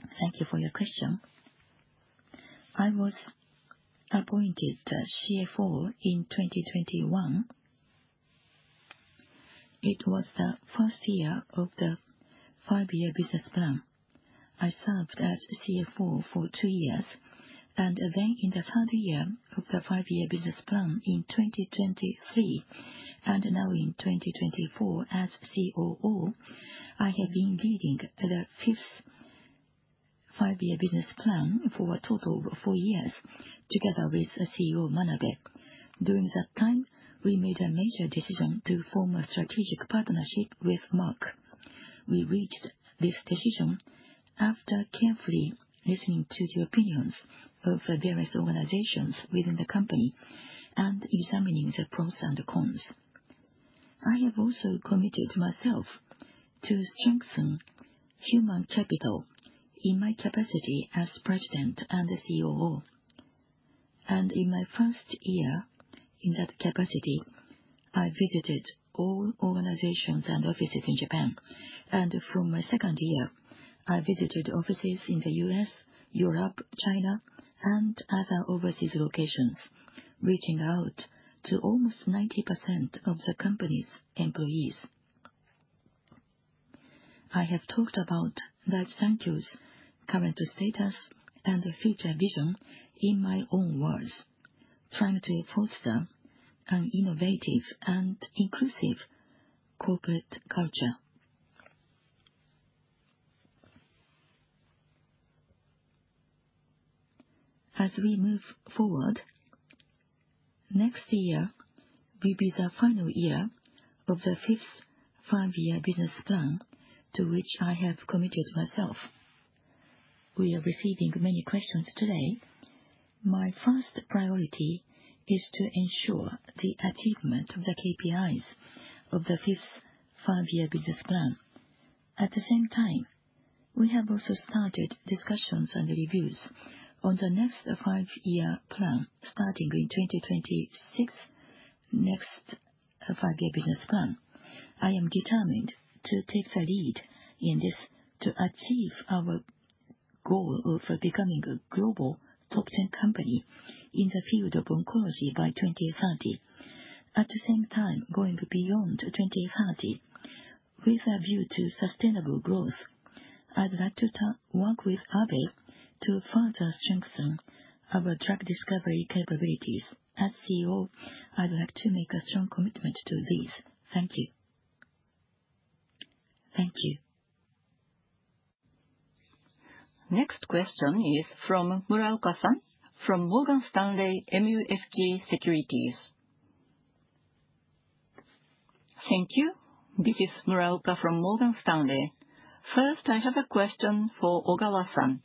Thank you for your question. I was appointed CFO in 2021. It was the first year of the five-year business plan. I served as CFO for two years, and then in the third year of the five-year business plan in 2023 and now in 2024 as COO, I have been leading the fifth five-year business plan for a total of four years together with CEO Manabe. During that time, we made a major decision to form a strategic partnership with Merck. We reached this decision after carefully listening to the opinions of various organizations within the company and examining the pros and cons. I have also committed myself to strengthen human capital in my capacity as president and COO. And in my first year in that capacity, I visited all organizations and offices in Japan. And from my second year, I visited offices in the U.S., Europe, China, and other overseas locations, reaching out to almost 90% of the company's employees. I have talked about life sciences, current status, and future vision in my own words, trying to foster an innovative and inclusive corporate culture. As we move forward, next year will be the final year of the fifth five-year business plan to which I have committed myself. We are receiving many questions today. My first priority is to ensure the achievement of the KPIs of the fifth five-year business plan. At the same time, we have also started discussions and reviews on the next five-year plan starting in 2026, next five-year business plan. I am determined to take the lead in this to achieve our goal of becoming a global top-10 company in the field of oncology by 2030, at the same time going beyond 2030 with a view to sustainable growth. I'd like to work with Abe to further strengthen our drug discovery capabilities. As CEO, I'd like to make a strong commitment to this. Thank you. Thank you. Next question is from Muraoka-san from Morgan Stanley MUFG Securities. Thank you. This is Muraoka from Morgan Stanley. First, I have a question for Ogawa-san.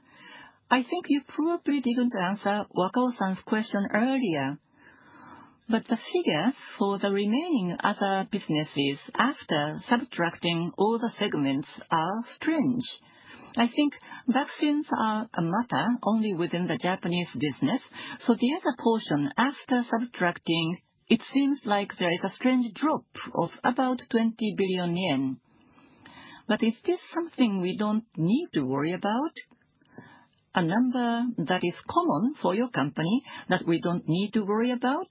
I think you probably didn't answer Wakao-san's question earlier, but the figures for the remaining other businesses after subtracting all the segments are strange. I think vaccines are a matter only within the Japanese business. So the other portion, after subtracting, it seems like there is a strange drop of about 20 billion yen. But is this something we don't need to worry about, a number that is common for your company that we don't need to worry about?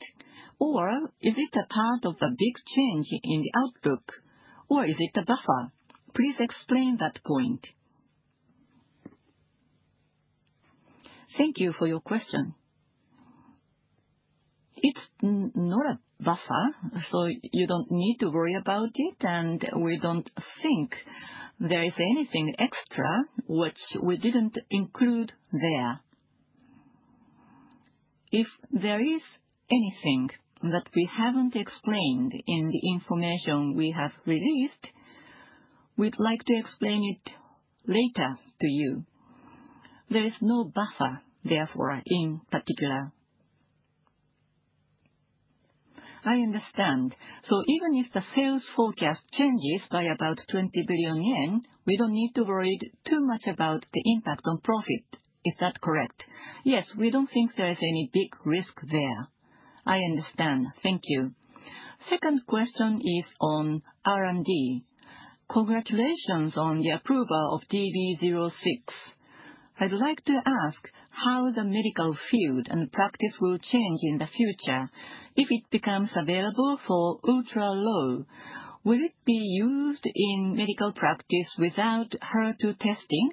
Or is it a part of a big change in the outlook? Or is it a buffer? Please explain that point. Thank you for your question. It's not a buffer, so you don't need to worry about it, and we don't think there is anything extra which we didn't include there. If there is anything that we haven't explained in the information we have released, we'd like to explain it later to you. There is no buffer, therefore, in particular. I understand. So even if the sales forecast changes by about 20 billion yen, we don't need to worry too much about the impact on profit. Is that correct? Yes, we don't think there is any big risk there. I understand. Thank you. Second question is on R&D. Congratulations on the approval of DB06. I'd like to ask how the medical field and practice will change in the future. If it becomes available for ultra-low, will it be used in medical practice without HER2 testing,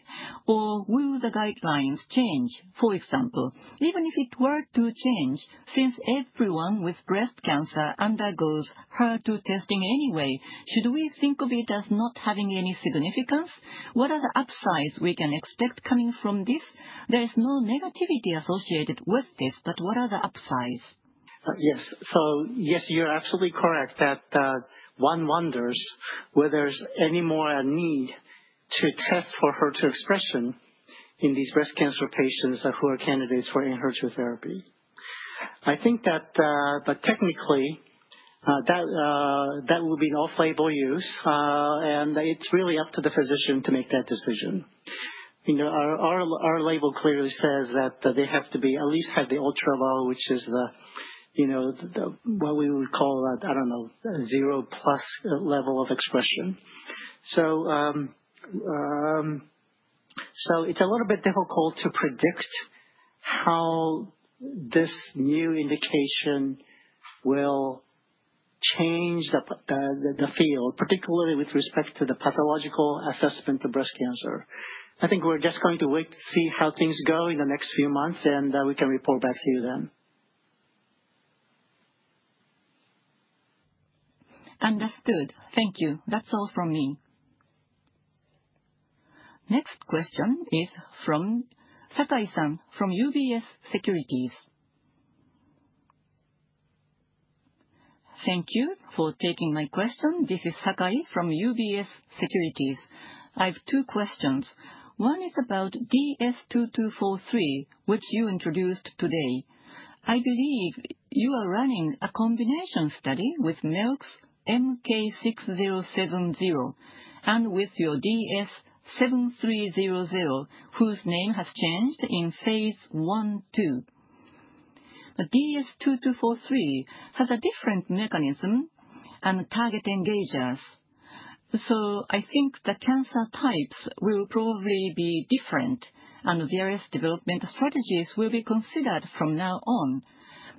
or will the guidelines change? For example, even if it were to change, since everyone with breast cancer undergoes HER2 testing anyway, should we think of it as not having any significance? What are the upsides we can expect coming from this? There is no negativity associated with this, but what are the upsides? Yes. So yes, you're absolutely correct that one wonders whether there's any more need to test for HER2 expression in these breast cancer patients who are candidates for ENHERTU therapy. I think that technically that will be an off-label use, and it's really up to the physician to make that decision. Our label clearly says that they have to at least have the ultra-low, which is what we would call, I don't know, zero-plus level of expression. So it's a little bit difficult to predict how this new indication will change the field, particularly with respect to the pathological assessment of breast cancer. I think we're just going to wait to see how things go in the next few months, and we can report back to you then. Understood. Thank you. That's all from me. Next question is from Sakai-san from UBS Securities. Thank you for taking my question. This is Sakai from UBS Securities. I have two questions. One is about DS-2243, which you introduced today. I believe you are running a combination study with Merck's MK-6070 and with your DS-7300, whose name has changed in phase I-II. DS-2243 has a different mechanism and T-cell engagers. So I think the cancer types will probably be different, and various development strategies will be considered from now on.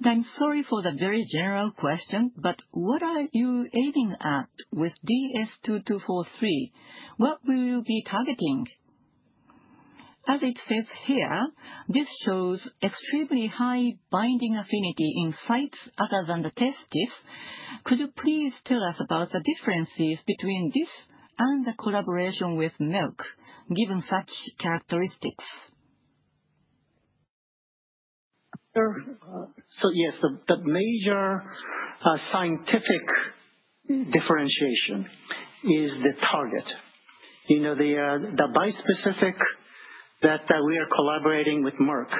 I'm sorry for the very general question, but what are you aiming at with DS-2243? What will you be targeting? As it says here, this shows extremely high binding affinity in sites other than the testis. Could you please tell us about the differences between this and the collaboration with Merck, given such characteristics? So yes, the major scientific differentiation is the target. The bispecific that we are collaborating with Merck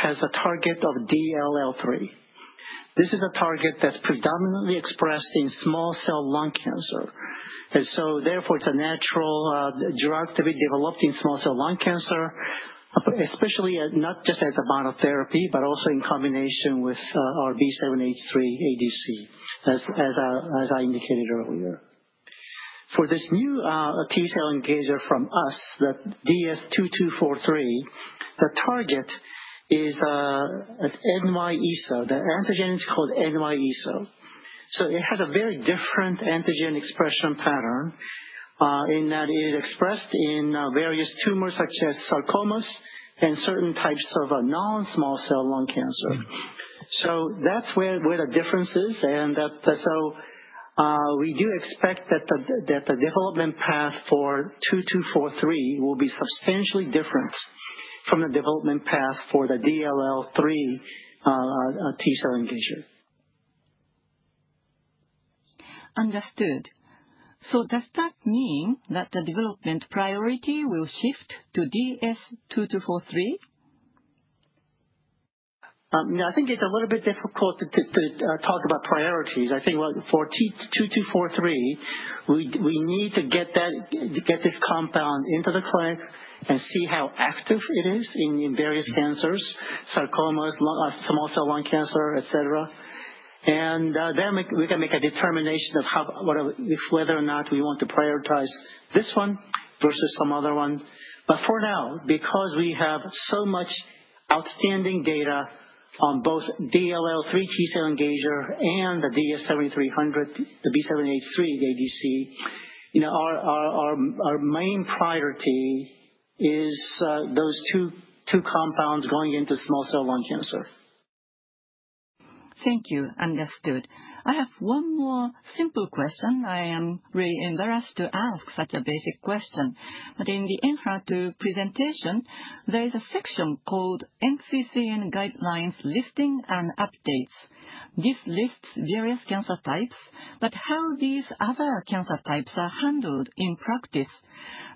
has a target of DLL3. This is a target that's predominantly expressed in small cell lung cancer. And so therefore, it's a natural drug to be developed in small cell lung cancer, especially not just as a monotherapy, but also in combination with our B7-H3 ADC, as I indicated earlier. For this new T-cell engager from us, the DS-2243, the target is NY-ESO. The antigen is called NY-ESO. So it has a very different antigen expression pattern in that it is expressed in various tumors such as sarcomas and certain types of non-small cell lung cancer. So that's where the difference is. And so we do expect that the development path for DS-2243 will be substantially different from the development path for the DLL3 T-cell engager. Understood. So does that mean that the development priority will shift to DS-2243? I think it's a little bit difficult to talk about priorities. I think for DS-2243, we need to get this compound into the clinic and see how active it is in various cancers, sarcomas, small cell lung cancer, etc. And then we can make a determination of whether or not we want to prioritize this one versus some other one. But for now, because we have so much outstanding data on both DLL3 T-cell engager and the DS-7300, the B7-H3 ADC, our main priority is those two compounds going into small cell lung cancer. Thank you. Understood. I have one more simple question. I am really embarrassed to ask such a basic question. But in the intro to presentation, there is a section called NCCN Guidelines Listing and Updates. This lists various cancer types, but how these other cancer types are handled in practice.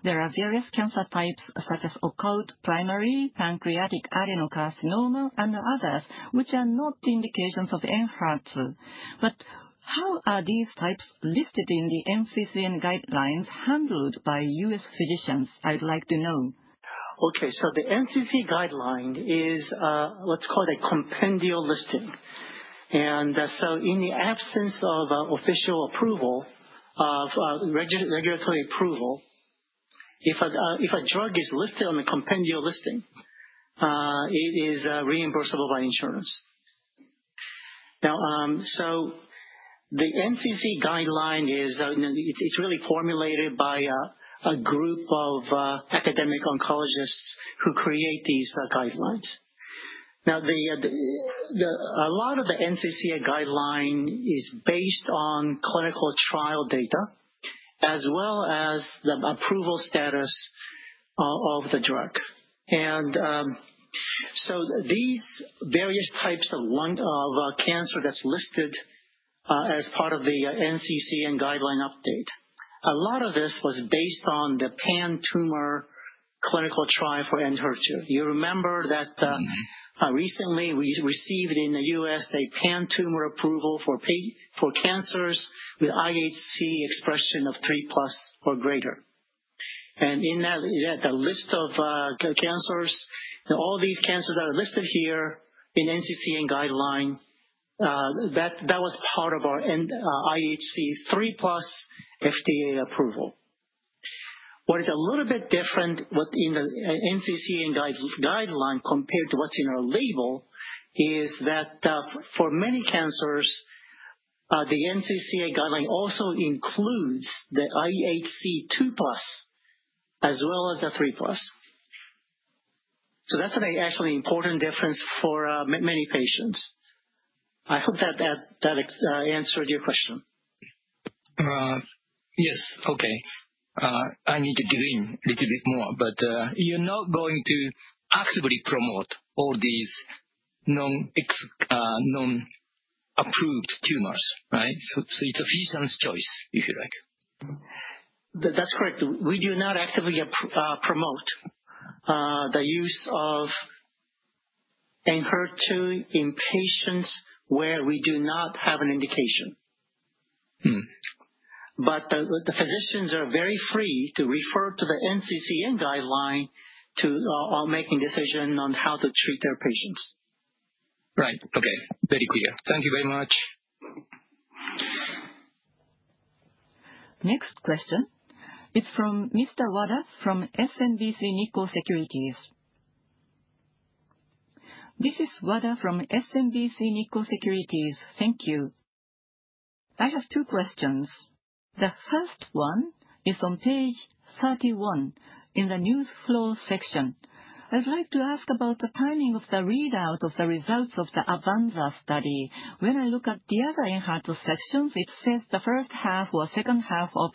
There are various cancer types such as occult primary, pancreatic adenocarcinoma, and others, which are not indications of ENHERTU. But how are these types listed in the NCCN Guidelines handled by U.S. physicians? I'd like to know. Okay. So the NCCN Guideline is, let's call it a compendial listing.In the absence of official approval of regulatory approval, if a drug is listed on the compendial listing, it is reimbursable by insurance. The NCCN Guidelines are really formulated by a group of academic oncologists who create these guidelines. A lot of the NCCN Guidelines is based on clinical trial data as well as the approval status of the drug. These various types of cancer that are listed as part of the NCCN Guidelines update were based on the pan-tumor clinical trial for ENHERTU. Recently we received in the U.S. a pan-tumor approval for cancers with IHC expression of 3+ or greater. In that list of cancers, all these cancers that are listed here in NCCN Guidelines were part of our IHC 3+ FDA approval. What is a little bit different in the NCCN Guideline compared to what's in our label is that for many cancers, the NCCN Guideline also includes the IHC 2+ as well as the 3+. So that's an actually important difference for many patients. I hope that that answered your question. Yes. Okay. I need to dig in a little bit more, but you're not going to actively promote all these non-approved tumors, right? So it's a physician's choice, if you like. That's correct. We do not actively promote the use of ENHERTU in patients where we do not have an indication. But the physicians are very free to refer to the NCCN Guideline while making decisions on how to treat their patients. Right. Okay. Very clear. Thank you very much. Next question. It's from Mr. Wada from SMBC Nikko Securities. This is Wada from SMBC Nikko Securities. Thank you. I have two questions. The first one is on page 31 in the new slide section. I'd like to ask about the timing of the readout of the results of the AVANZAR study. When I look at the other ENHERTU sections, it says the first half or second half of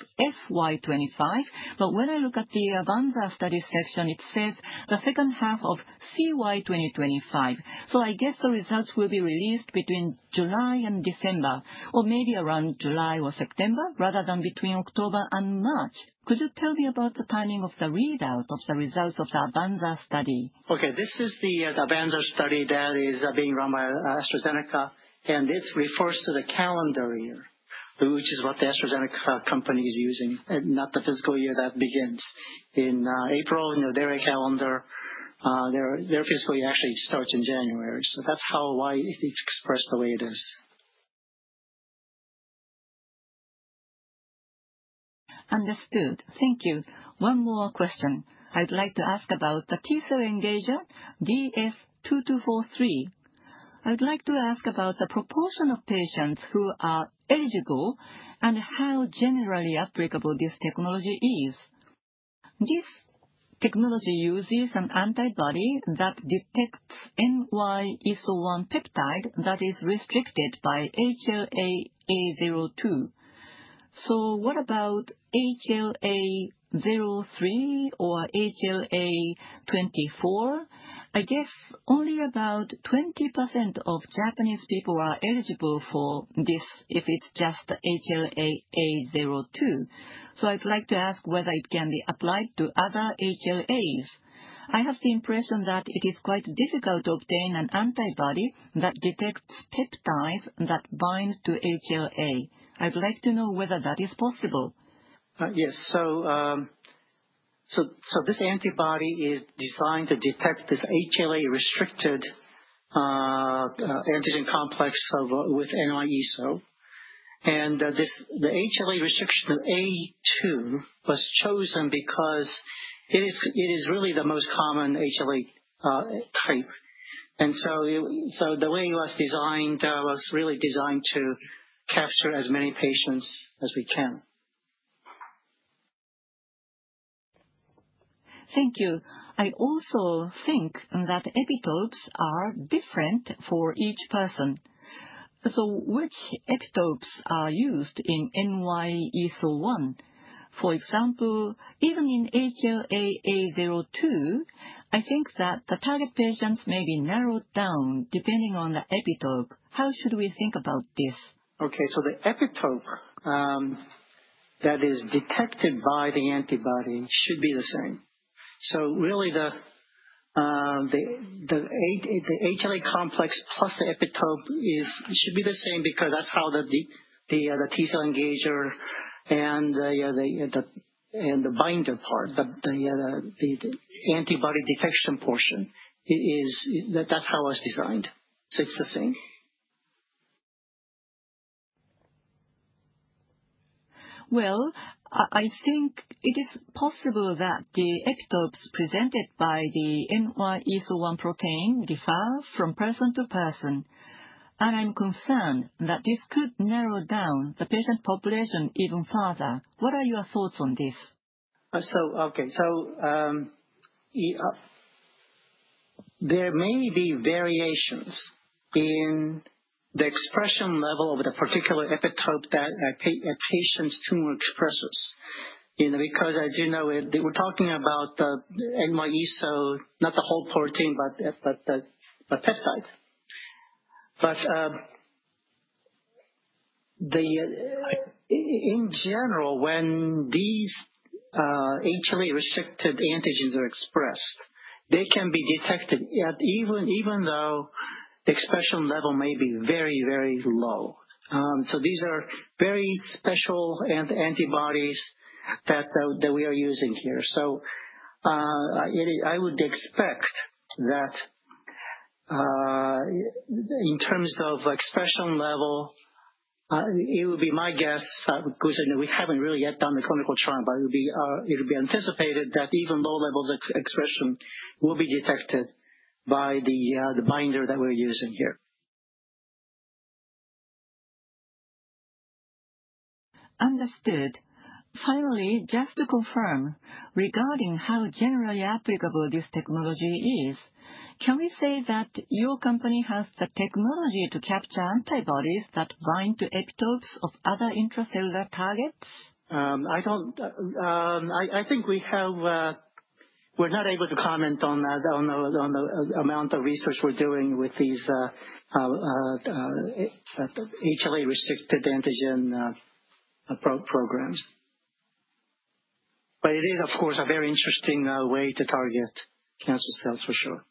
FY 2025. But when I look at the AVANZAR study section, it says the second half of CY 2025. So I guess the results will be released between July and December, or maybe around July or September rather than between October and March. Could you tell me about the timing of the readout of the results of the AVANZAR study? Okay. This is the AVANZAR study that is being run by AstraZeneca, and it refers to the calendar year, which is what the AstraZeneca company is using, not the fiscal year that begins in April. They're a calendar. Their fiscal year actually starts in January. So that's how and why it's expressed the way it is. Understood. Thank you. One more question. I'd like to ask about the T-cell engager, DS-2243. I'd like to ask about the proportion of patients who are eligible and how generally applicable this technology is. This technology uses an antibody that detects NY-ESO-1 peptide that is restricted by HLA-A02. So what about HLA-A03 or HLA-A24? I guess only about 20% of Japanese people are eligible for this if it's just HLA-A02. So I'd like to ask whether it can be applied to other HLAs. I have the impression that it is quite difficult to obtain an antibody that detects peptides that bind to HLA. I'd like to know whether that is possible. Yes. So this antibody is designed to detect this HLA-restricted antigen complex with NY-ESO-1. The HLA-restriction of A2 was chosen because it is really the most common HLA type. The way it was designed was really designed to capture as many patients as we can. Thank you. I also think that epitopes are different for each person. Which epitopes are used in NY-ESO-1? For example, even in HLA-A02, I think that the target patients may be narrowed down depending on the epitope. How should we think about this? Okay. The epitope that is detected by the antibody should be the same. Really, the HLA complex plus the epitope should be the same because that's how the T-cell engager and the binder part, the antibody detection portion, that's how it was designed. It's the same. I think it is possible that the epitopes presented by the NY-ESO-1 protein differ from person to person. I'm concerned that this could narrow down the patient population even further. What are your thoughts on this? Okay. There may be variations in the expression level of the particular epitope that a patient's tumor expresses because I do know we're talking about the NY-ESO, not the whole protein, but the peptide. In general, when these HLA-restricted antigens are expressed, they can be detected even though the expression level may be very, very low. These are very special antibodies that we are using here. I would expect that in terms of expression level, it would be my guess because we haven't really yet done the clinical trial, but it would be anticipated that even low levels of expression will be detected by the binder that we're using here. Understood. Finally, just to confirm regarding how generally applicable this technology is, can we say that your company has the technology to capture antibodies that bind to epitopes of other intracellular targets? I think we're not able to comment on the amount of research we're doing with these HLA-restricted antigen programs. But it is, of course, a very interesting way to target cancer cells, for sure.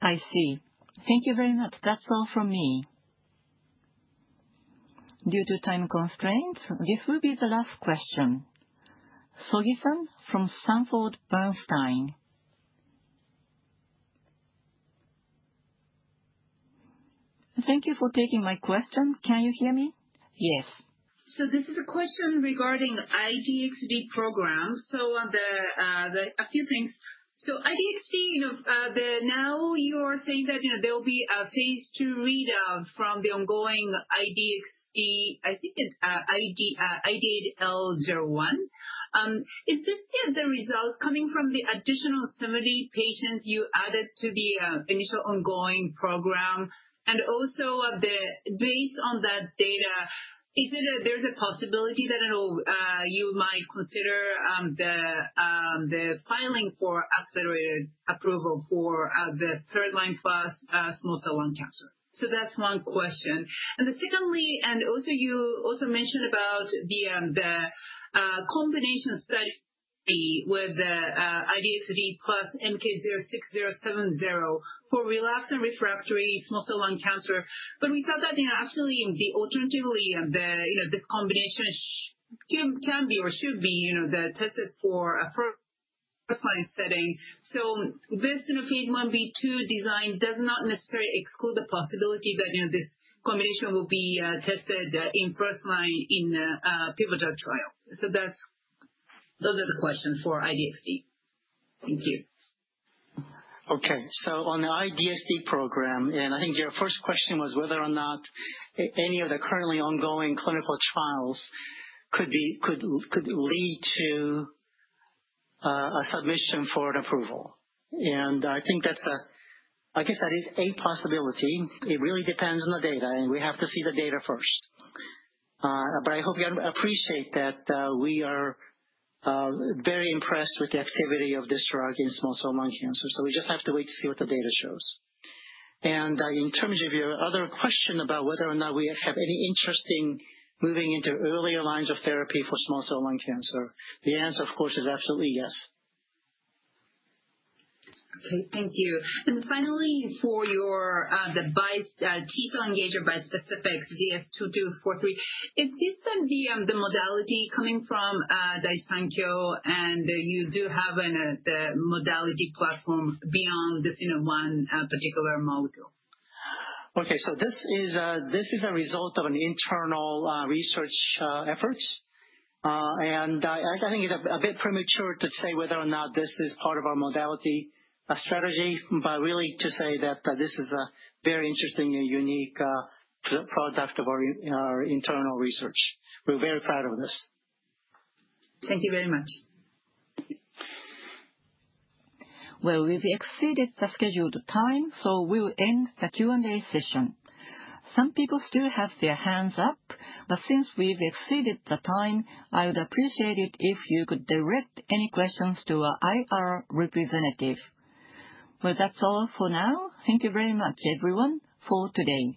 I see. Thank you very much. That's all from me. Due to time constraints, this will be the last question. Sogi from Sanford Bernstein. Thank you for taking my question. Can you hear me? Yes. So this is a question regarding I-DXd program. So a few things. So I-DXd, now you are saying that there will be a phase II readout from the ongoing I-DXd, I think it's IDL01. Is this the result coming from the additional 70 patients you added to the initial ongoing program? And also, based on that data, is there a possibility that you might consider the filing for accelerated approval for the third-line plus small cell lung cancer? So that's one question. And secondly, and also you also mentioned about the combination study with the I-DXd plus MK-6070 for relapse and refractory small cell lung cancer. But we thought that actually, alternatively, this combination can be or should be tested for first-line setting. So this phase I-B/II design does not necessarily exclude the possibility that this combination will be tested in first-line in pivotal trials. So those are the questions for I-DXd. Thank you. Okay. So on the I-DXd program, and I think your first question was whether or not any of the currently ongoing clinical trials could lead to a submission for an approval. And I think that's, I guess that is a possibility. It really depends on the data, and we have to see the data first. But I hope you appreciate that we are very impressed with the activity of this drug in small cell lung cancer. So we just have to wait to see what the data shows. And in terms of your other question about whether or not we have any interest in moving into earlier lines of therapy for small cell lung cancer, the answer, of course, is absolutely yes. Okay. Thank you. Finally, for the T-cell engager bispecifics, DS-2243, is this the modality coming from Daiichi Sankyo and you do have the modality platform beyond this one particular molecule? Okay. This is a result of an internal research effort. I think it's a bit premature to say whether or not this is part of our modality strategy, but really to say that this is a very interesting and unique product of our internal research. We're very proud of this. Thank you very much. We've exceeded the scheduled time, so we will end the Q&A session. Some people still have their hands up, but since we've exceeded the time, I would appreciate it if you could direct any questions to our IR representative. That's all for now. Thank you very much, everyone, for today.